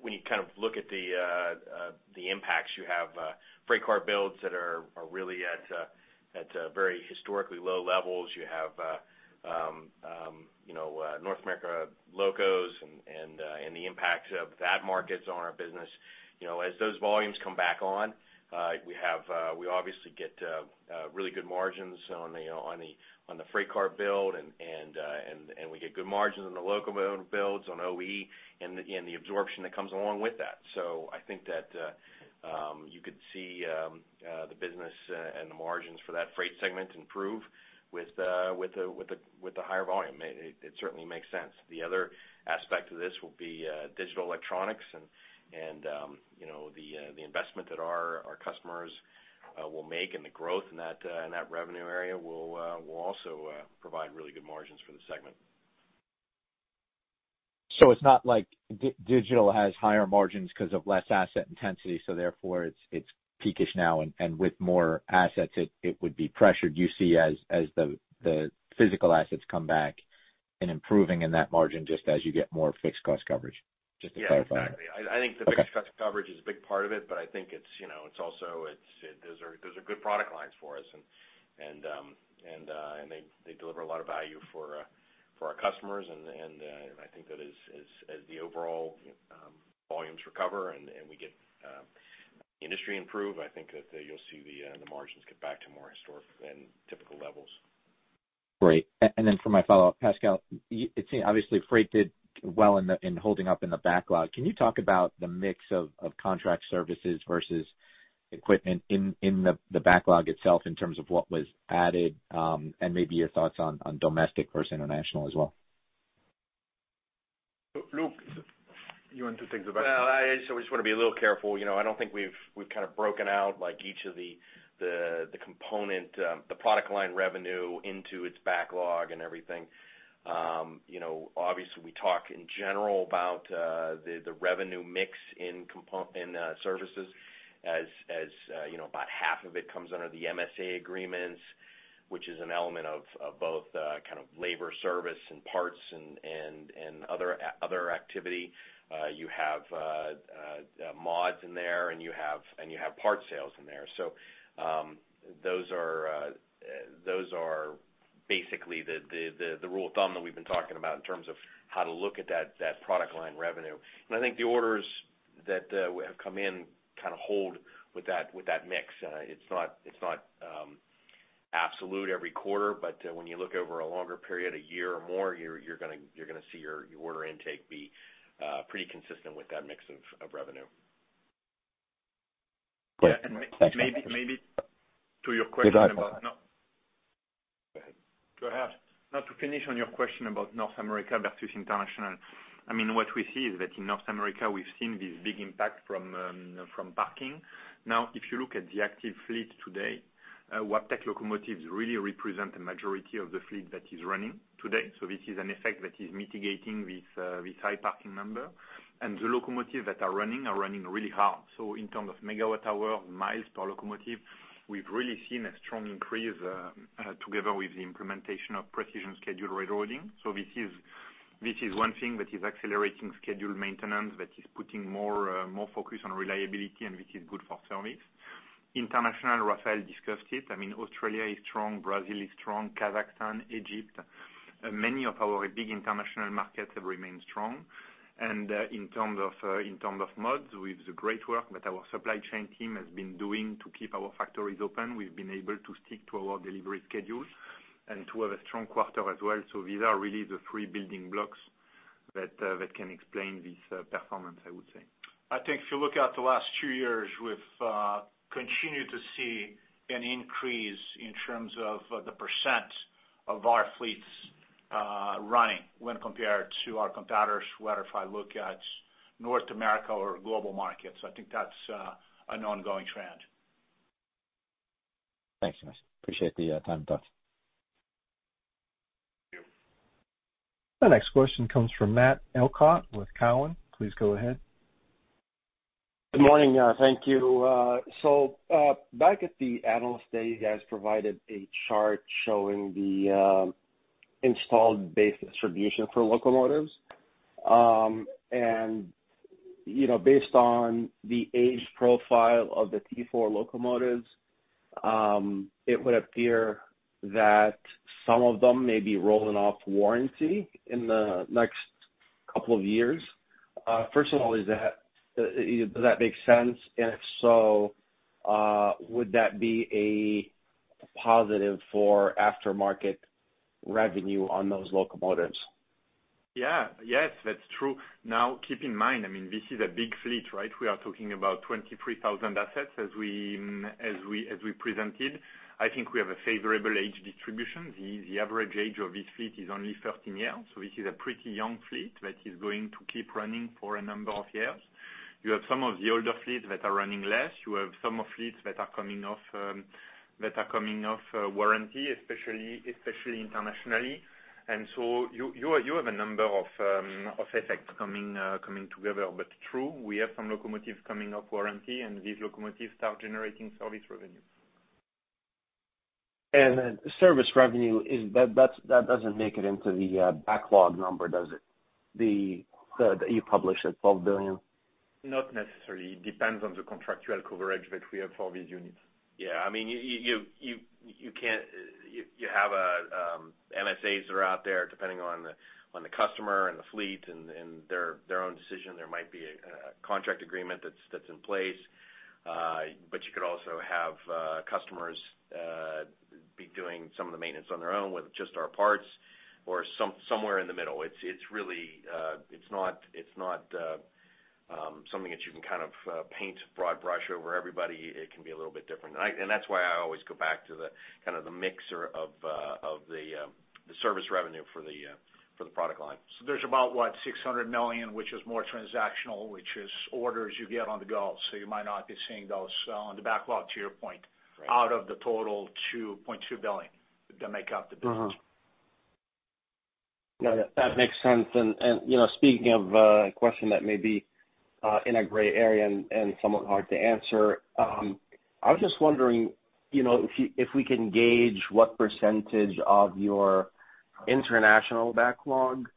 when you kind of look at the impacts, you have freight car builds that are really at very historically low levels. You have North America locos and the impact of that market's on our business. As those volumes come back on, we obviously get really good margins on the freight car build, and we get good margins on the loco builds on OE and the absorption that comes along with that. So I think that you could see the business and the margins for that freight segment improve with a higher volume. It certainly makes sense. The other aspect of this will be digital electronics and the investment that our customers will make and the growth in that revenue area will also provide really good margins for the segment. It's not like digital has higher margins because of less asset intensity. So therefore, it's peakish now. And with more assets, it would be pressured, you see, as the physical assets come back and improving in that margin just as you get more fixed cost coverage. Just to clarify. Yeah. Exactly. I think the fixed cost coverage is a big part of it, but I think it's also there's a good product line for us, and they deliver a lot of value for our customers, and I think that as the overall volumes recover and we get industry improved, I think that you'll see the margins get back to more historic than typical levels. Great. And then for my follow-up, Pascal, it seemed obviously freight did well in holding up in the backlog. Can you talk about the mix of contract services versus equipment in the backlog itself in terms of what was added and maybe your thoughts on domestic versus international as well? Pat, you want to take the back? I just always want to be a little careful. I don't think we've kind of broken out each of the components, the product line revenue into its backlog and everything. Obviously, we talk in general about the revenue mix in services as about half of it comes under the MSA agreements, which is an element of both kind of labor service and parts and other activity. You have mods in there, and you have parts sales in there. So those are basically the rule of thumb that we've been talking about in terms of how to look at that product line revenue. And I think the orders that have come in kind of hold with that mix. It's not absolute every quarter, but when you look over a longer period, a year or more, you're going to see your order intake be pretty consistent with that mix of revenue. Great. And maybe. Thanks. To your question about. Good. Go ahead. Go ahead. Not to finish on your question about North America versus international. I mean, what we see is that in North America, we've seen this big impact from parking. Now, if you look at the active fleet today, Wabtec locomotives really represent the majority of the fleet that is running today. So this is an effect that is mitigating this high parking number. And the locomotives that are running are running really hard. So in terms of megawatt hours, miles per locomotive, we've really seen a strong increase together with the implementation of Precision Scheduled Railroading. So this is one thing that is accelerating schedule maintenance that is putting more focus on reliability, and this is good for service. Internationally, Rafael discussed it. I mean, Australia is strong, Brazil is strong, Kazakhstan, Egypt. Many of our big international markets have remained strong. And in terms of mods, we've done great work. But our supply chain team has been doing to keep our factories open. We've been able to stick to our delivery schedule and to have a strong quarter as well. So these are really the three building blocks that can explain this performance, I would say. I think if you look at the last two years, we've continued to see an increase in terms of the percent of our fleets running when compared to our competitors, whether if I look at North America or global markets. I think that's an ongoing trend. Thanks, guys. Appreciate the time and thoughts. Thank you. The next question comes from Matt Elkott with Cowen. Please go ahead. Good morning. Thank you. So back at the analyst day, you guys provided a chart showing the installed base distribution for locomotives. And based on the age profile of the T4 locomotives, it would appear that some of them may be rolling off warranty in the next couple of years. First of all, does that make sense? And if so, would that be a positive for aftermarket revenue on those locomotives? Yeah. Yes, that's true. Now, keep in mind, I mean, this is a big fleet, right? We are talking about 23,000 assets as we presented. I think we have a favorable age distribution. The average age of this fleet is only 13 years. So this is a pretty young fleet that is going to keep running for a number of years. You have some of the older fleets that are running less. You have some of the fleets that are coming off warranty, especially internationally. And so you have a number of effects coming together. But true, we have some locomotives coming off warranty, and these locomotives start generating service revenue. And service revenue, that doesn't make it into the backlog number, does it? That you published at $12 billion. Not necessarily. It depends on the contractual coverage that we have for these units. Yeah. I mean, you have MSAs that are out there depending on the customer and the fleet and their own decision. There might be a contract agreement that's in place, but you could also have customers be doing some of the maintenance on their own with just our parts or somewhere in the middle. It's not something that you can kind of paint a broad brush over everybody. It can be a little bit different, and that's why I always go back to kind of the mix of the service revenue for the product line. So there's about what, $600 million, which is more transactional, which is orders you get on the go. So you might not be seeing those on the backlog, to your point, out of the total $2.2 billion that make up the business. That makes sense. And speaking of a question that may be in a gray area and somewhat hard to answer, I was just wondering if we can gauge what percentage of your international backlog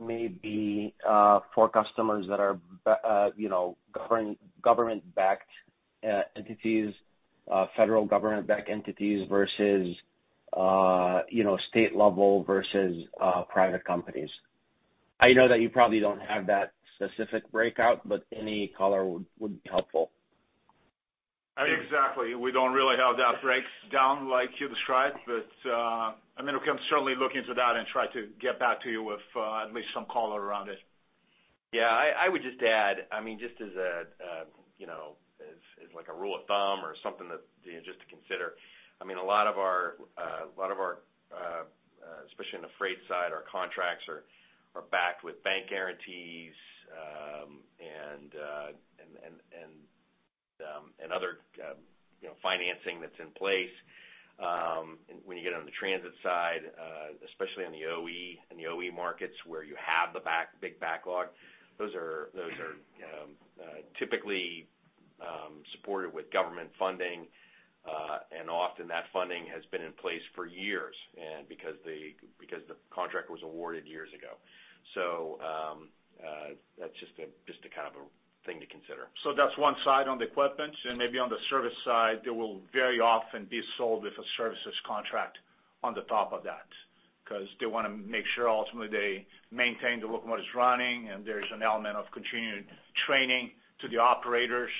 may be for customers that are government-backed entities, federal government-backed entities versus state-level versus private companies? I know that you probably don't have that specific breakout, but any color would be helpful. Exactly. We don't really have that breakdown like you described. But I mean, we can certainly look into that and try to get back to you with at least some color around it. Yeah. I would just add, I mean, just as a rule of thumb or something just to consider, I mean, a lot of our, especially on the freight side, our contracts are backed with bank guarantees and other financing that's in place. When you get on the transit side, especially on the OE markets where you have the big backlog, those are typically supported with government funding. And often that funding has been in place for years because the contractor was awarded years ago. So that's just kind of a thing to consider. That's one side on the equipment. And maybe on the service side, there will very often be sold with a services contract on the top of that because they want to make sure ultimately they maintain the locomotives running. And there's an element of continuing training to the operators.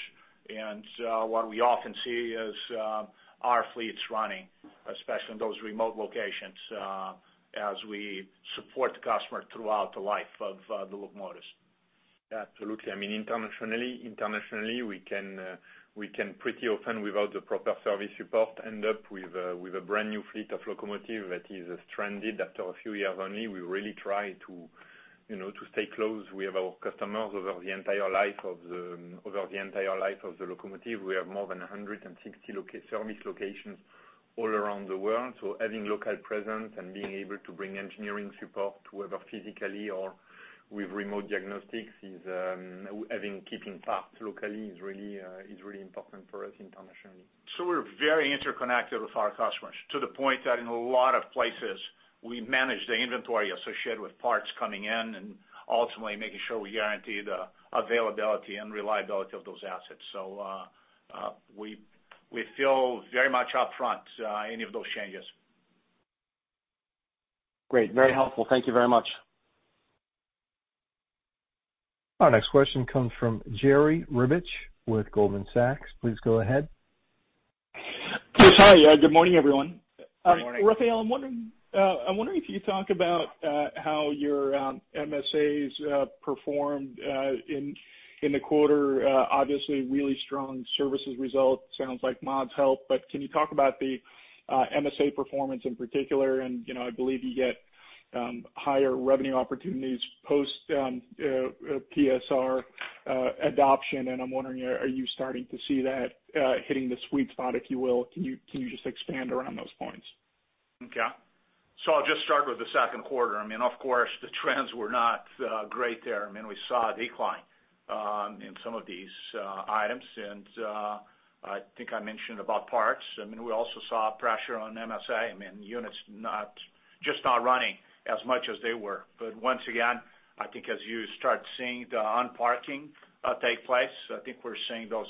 And what we often see is our fleets running, especially in those remote locations, as we support the customer throughout the life of the locomotives. Absolutely. I mean, internationally, we can pretty often, without the proper service support, end up with a brand new fleet of locomotives that is stranded after a few years only. We really try to stay close. We have our customers over the entire life of the locomotive. We have more than 160 service locations all around the world. So having local presence and being able to bring engineering support, whether physically or with remote diagnostics, keeping parts locally is really important for us internationally. So we're very interconnected with our customers to the point that in a lot of places, we manage the inventory associated with parts coming in and ultimately making sure we guarantee the availability and reliability of those assets. So we feel very much upfront any of those changes. Great. Very helpful. Thank you very much. Our next question comes from Jerry Revich with Goldman Sachs. Please go ahead. Yes, hi. Good morning, everyone. Good morning. Rafael, I'm wondering if you could talk about how your MSAs performed in the quarter. Obviously, really strong services result. Sounds like mods help. But can you talk about the MSA performance in particular? And I believe you get higher revenue opportunities post-PSR adoption. And I'm wondering, are you starting to see that hitting the sweet spot, if you will? Can you just expand around those points? Yeah. So I'll just start with the second quarter. I mean, of course, the trends were not great there. I mean, we saw a decline in some of these items. And I think I mentioned about parts. I mean, we also saw pressure on MSA. I mean, units just not running as much as they were. But once again, I think as you start seeing the unparking take place, I think we're seeing those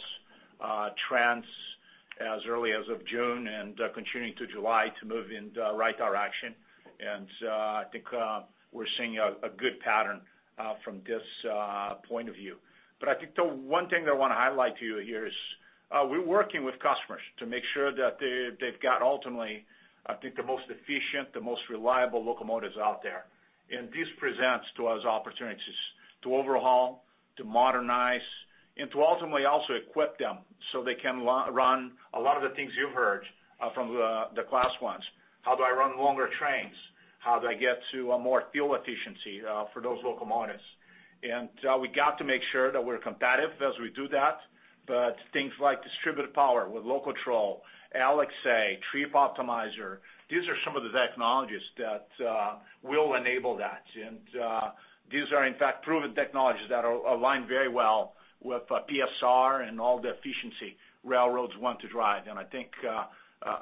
trends as early as of June and continuing to July to move in the right direction. And I think we're seeing a good pattern from this point of view. But I think the one thing that I want to highlight to you here is we're working with customers to make sure that they've got ultimately, I think, the most efficient, the most reliable locomotives out there. And this presents to us opportunities to overhaul, to modernize, and to ultimately also equip them so they can run a lot of the things you've heard from the Class I's. How do I run longer trains? How do I get to a more fuel efficiency for those locomotives? And we got to make sure that we're competitive as we do that. But things like distributed power with Locotrol, LXA, Trip Optimizer, these are some of the technologies that will enable that. And these are, in fact, proven technologies that are aligned very well with PSR and all the efficiency railroads want to drive. And I think,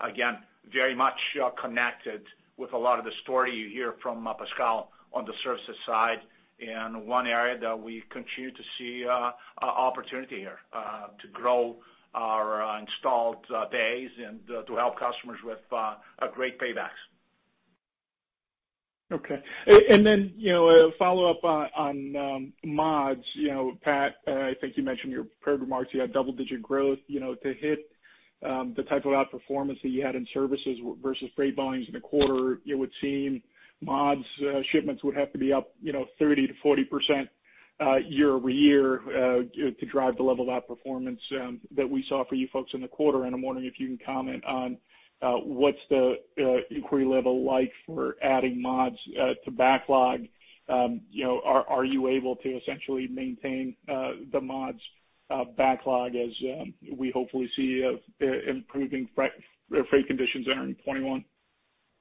again, very much connected with a lot of the story you hear from Pascal on the services side. In one area that we continue to see opportunity here to grow our installed base and to help customers with great paybacks. Okay. And then a follow-up on mods. Pat, I think you mentioned in your prepared remarks you had double-digit growth. To hit the type of outperformance that you had in services versus freight volumes in the quarter, it would seem mods shipments would have to be up 30%-40% year-over -year to drive the level of outperformance that we saw for you folks in the quarter. And I'm wondering if you can comment on what's the inquiry level like for adding mods to backlog. Are you able to essentially maintain the mods backlog as we hopefully see improving freight conditions in 2021?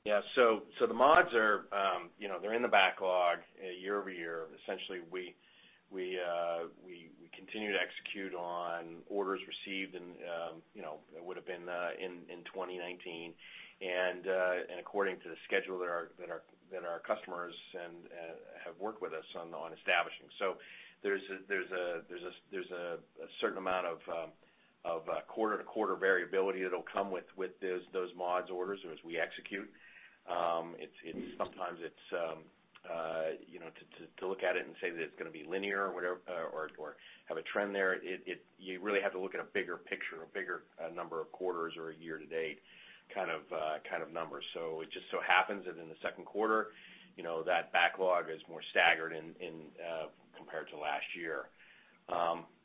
Yeah, so the mods, they're in the backlog year-over-year. Essentially, we continue to execute on orders received that would have been in 2019, and according to the schedule that our customers have worked with us on establishing, so there's a certain amount of quarter-to-quarter variability that will come with those mods orders as we execute. Sometimes it's to look at it and say that it's going to be linear or have a trend there. You really have to look at a bigger picture, a bigger number of quarters or a year-to-date kind of numbers, so it just so happens that in the second quarter, that backlog is more staggered compared to last year.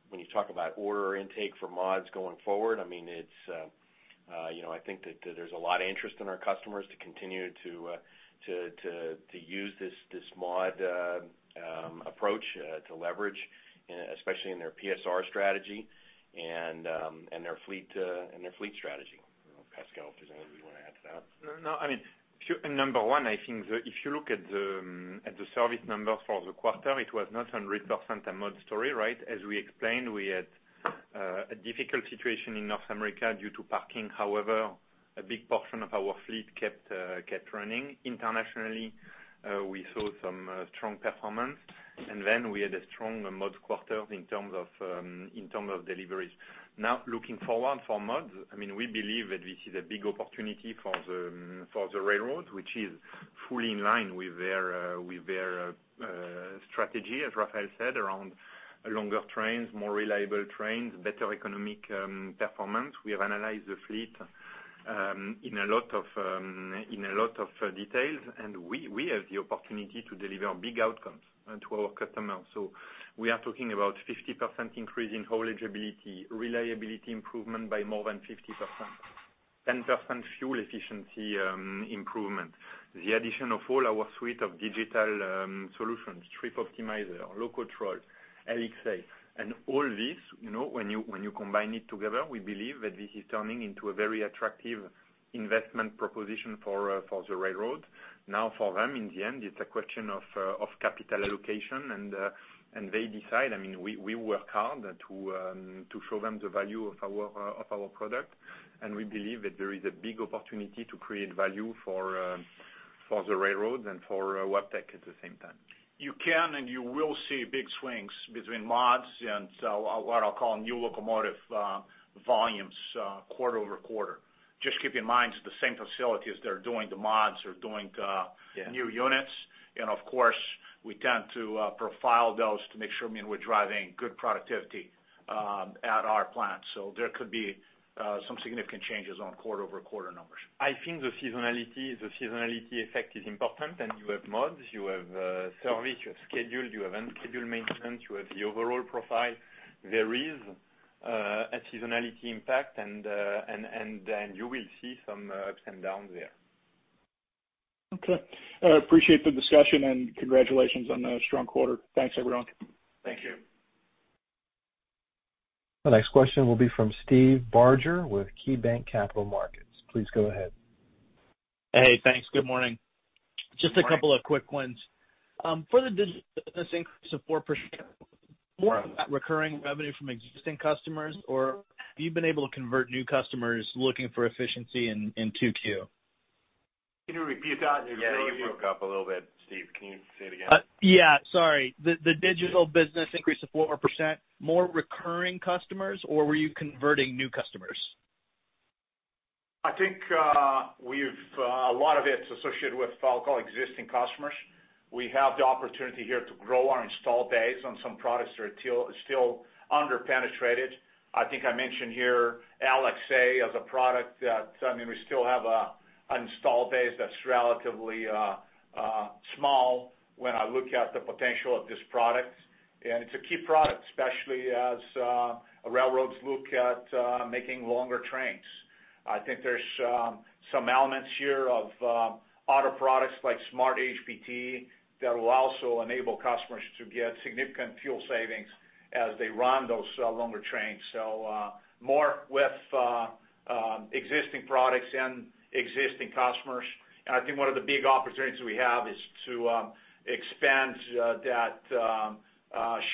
When you talk about order intake for mods going forward, I mean, I think that there's a lot of interest in our customers to continue to use this mod approach to leverage, especially in their PSR strategy and their fleet strategy. Pascal, if there's anything you want to add to that. No. I mean, number one, I think if you look at the service numbers for the quarter, it was not 100% a mod story, right? As we explained, we had a difficult situation in North America due to parking. However, a big portion of our fleet kept running. Internationally, we saw some strong performance. And then we had a strong mods quarter in terms of deliveries. Now, looking forward for mods, I mean, we believe that this is a big opportunity for the railroads, which is fully in line with their strategy, as Rafael said, around longer trains, more reliable trains, better economic performance. We have analyzed the fleet in a lot of details. We have the opportunity to deliver big outcomes to our customers. We are talking about a 50% increase in haulage ability, reliability improvement by more than 50%, 10% fuel efficiency improvement, the addition of all our suite of digital solutions, Trip Optimizer, Locotrol, LXA. All this, when you combine it together, we believe that this is turning into a very attractive investment proposition for the railroad. Now, for them, in the end, it's a question of capital allocation. They decide. I mean, we work hard to show them the value of our product. We believe that there is a big opportunity to create value for the railroads and for Wabtec at the same time. You can and you will see big swings between mods and what I'll call new locomotive volumes quarter over quarter. Just keep in mind, the same facilities they're doing the mods or doing the new units. And of course, we tend to profile those to make sure we're driving good productivity at our plant. So there could be some significant changes on quarter-over-quarter numbers. I think the seasonality effect is important. And you have mods, you have service, you have scheduled, you have unscheduled maintenance, you have the overall profile. There is a seasonality impact. And you will see some ups and downs there. Okay. Appreciate the discussion and congratulations on the strong quarter. Thanks, everyone. Thank you. The next question will be from Steve Barger with KeyBank Capital Markets. Please go ahead. Hey, thanks. Good morning. Just a couple of quick ones. For the business increase of 4%, more of that recurring revenue from existing customers, or have you been able to convert new customers looking for efficiency into Q? Can you repeat that? You broke up a little bit, Steve. Can you say it again? Yeah. Sorry. The digital business increase of 4%, more recurring customers, or were you converting new customers? I think a lot of it's associated with what I'll call existing customers. We have the opportunity here to grow our installed base on some products that are still underpenetrated. I think I mentioned here LXA as a product that, I mean, we still have an installed base that's relatively small when I look at the potential of this product, and it's a key product, especially as railroads look at making longer trains. I think there's some elements here of other products like SmartHPT that will also enable customers to get significant fuel savings as they run those longer trains, so more with existing products and existing customers, and I think one of the big opportunities we have is to expand that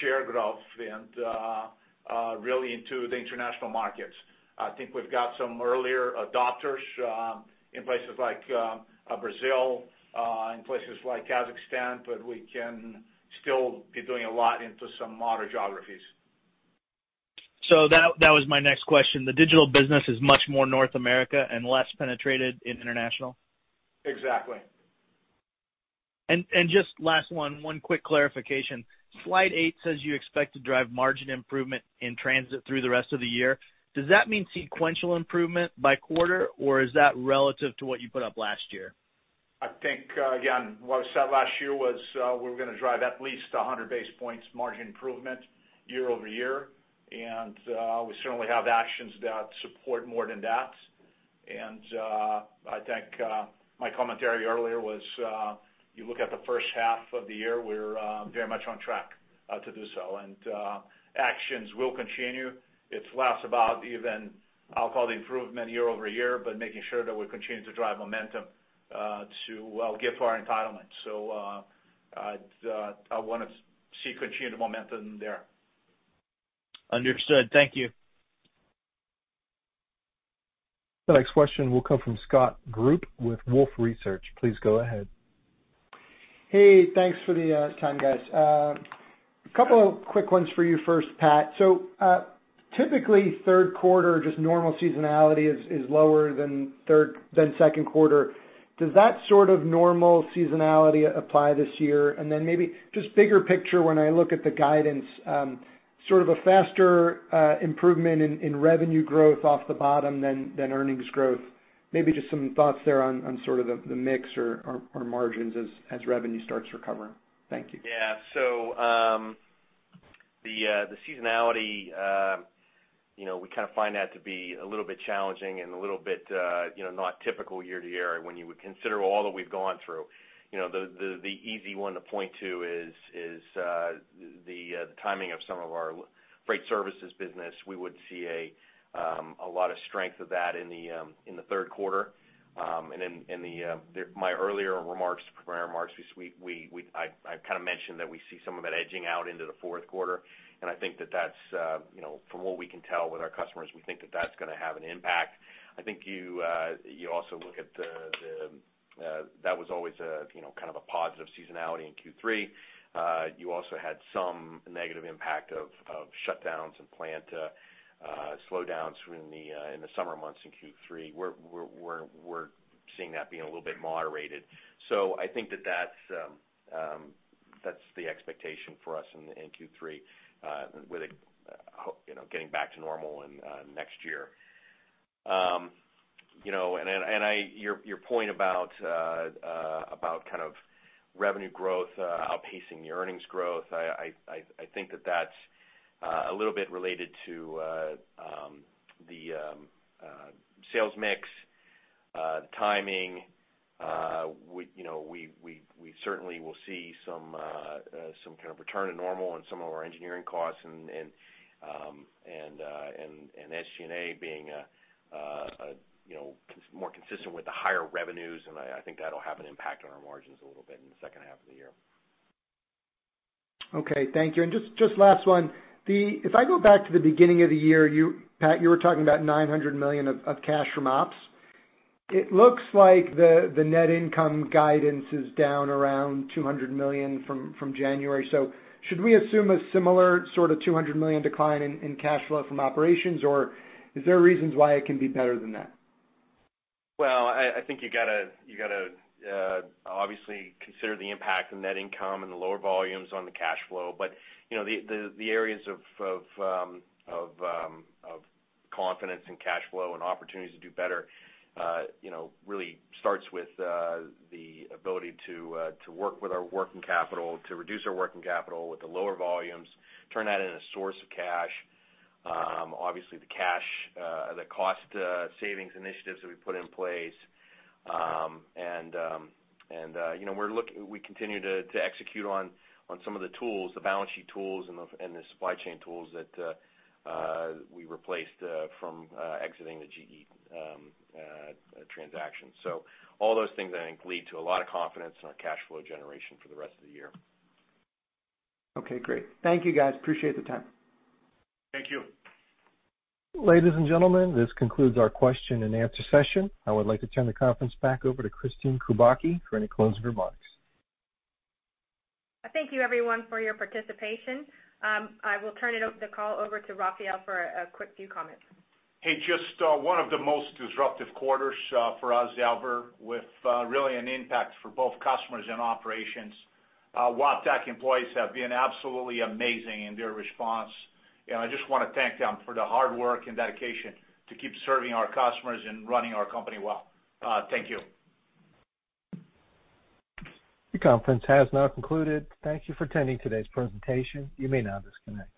share growth and really into the international markets. I think we've got some early adopters in places like Brazil, in places like Kazakhstan, but we can still be doing a lot into some modern geographies. So that was my next question. The digital business is much more North America and less penetrated in international? Exactly. Just last one, one quick clarification. Slide 8 says you expect to drive margin improvement in transit through the rest of the year. Does that mean sequential improvement by quarter, or is that relative to what you put up last year? I think, again, what I said last year was we were going to drive at least 100 basis points margin improvement year-over-year. And we certainly have actions that support more than that. And I think my commentary earlier was you look at the first half of the year, we're very much on track to do so. And actions will continue. It's less about even I'll call the improvement year -over -year, but making sure that we continue to drive momentum to, well, get to our entitlement. So I want to see continued momentum there. Understood. Thank you. The next question will come from Scott Group with Wolfe Research. Please go ahead. Hey, thanks for the time, guys. A couple of quick ones for you first, Pat. So typically, third quarter, just normal seasonality is lower than second quarter. Does that sort of normal seasonality apply this year? And then maybe just bigger picture, when I look at the guidance, sort of a faster improvement in revenue growth off the bottom than earnings growth. Maybe just some thoughts there on sort of the mix or margins as revenue starts recovering. Thank you. Yeah. So the seasonality, we kind of find that to be a little bit challenging and a little bit not typical year-to-year. When you would consider all that we've gone through, the easy one to point to is the timing of some of our freight services business. We would see a lot of strength of that in the third quarter. And in my earlier remarks, I kind of mentioned that we see some of that edging out into the fourth quarter. And I think that that's, from what we can tell with our customers, we think that that's going to have an impact. I think you also look at that. That was always kind of a positive seasonality in Q3. You also had some negative impact of shutdowns and plant slowdowns in the summer months in Q3. We're seeing that being a little bit moderated. So I think that that's the expectation for us in Q3 with it getting back to normal next year. And your point about kind of revenue growth outpacing the earnings growth, I think that that's a little bit related to the sales mix, the timing. We certainly will see some kind of return to normal in some of our engineering costs and SG&A being more consistent with the higher revenues. And I think that'll have an impact on our margins a little bit in the second half of the year. Okay. Thank you. And just last one. If I go back to the beginning of the year, Pat, you were talking about $900 million of cash from ops. It looks like the net income guidance is down around $200 million from January. So should we assume a similar sort of $200 million decline in cash flow from operations, or is there reasons why it can be better than that? I think you got to obviously consider the impact in net income and the lower volumes on the cash flow. The areas of confidence in cash flow and opportunities to do better really starts with the ability to work with our working capital, to reduce our working capital with the lower volumes, turn that into a source of cash. Obviously, the cash, the cost savings initiatives that we put in place. We continue to execute on some of the tools, the balance sheet tools and the supply chain tools that we replaced from exiting the GE transaction. All those things, I think, lead to a lot of confidence in our cash flow generation for the rest of the year. Okay. Great. Thank you, guys. Appreciate the time. Thank you. Ladies and gentlemen, this concludes our question and answer session. I would like to turn the conference back over to Kristine Kubacki for any closing remarks. Thank you, everyone, for your participation. I will turn the call over to Rafael for a quick few comments. Hey, just one of the most disruptive quarters for us ever with really an impact for both customers and operations. Wabtec employees have been absolutely amazing in their response. And I just want to thank them for the hard work and dedication to keep serving our customers and running our company well. Thank you. The conference has now concluded. Thank you for attending today's presentation. You may now disconnect.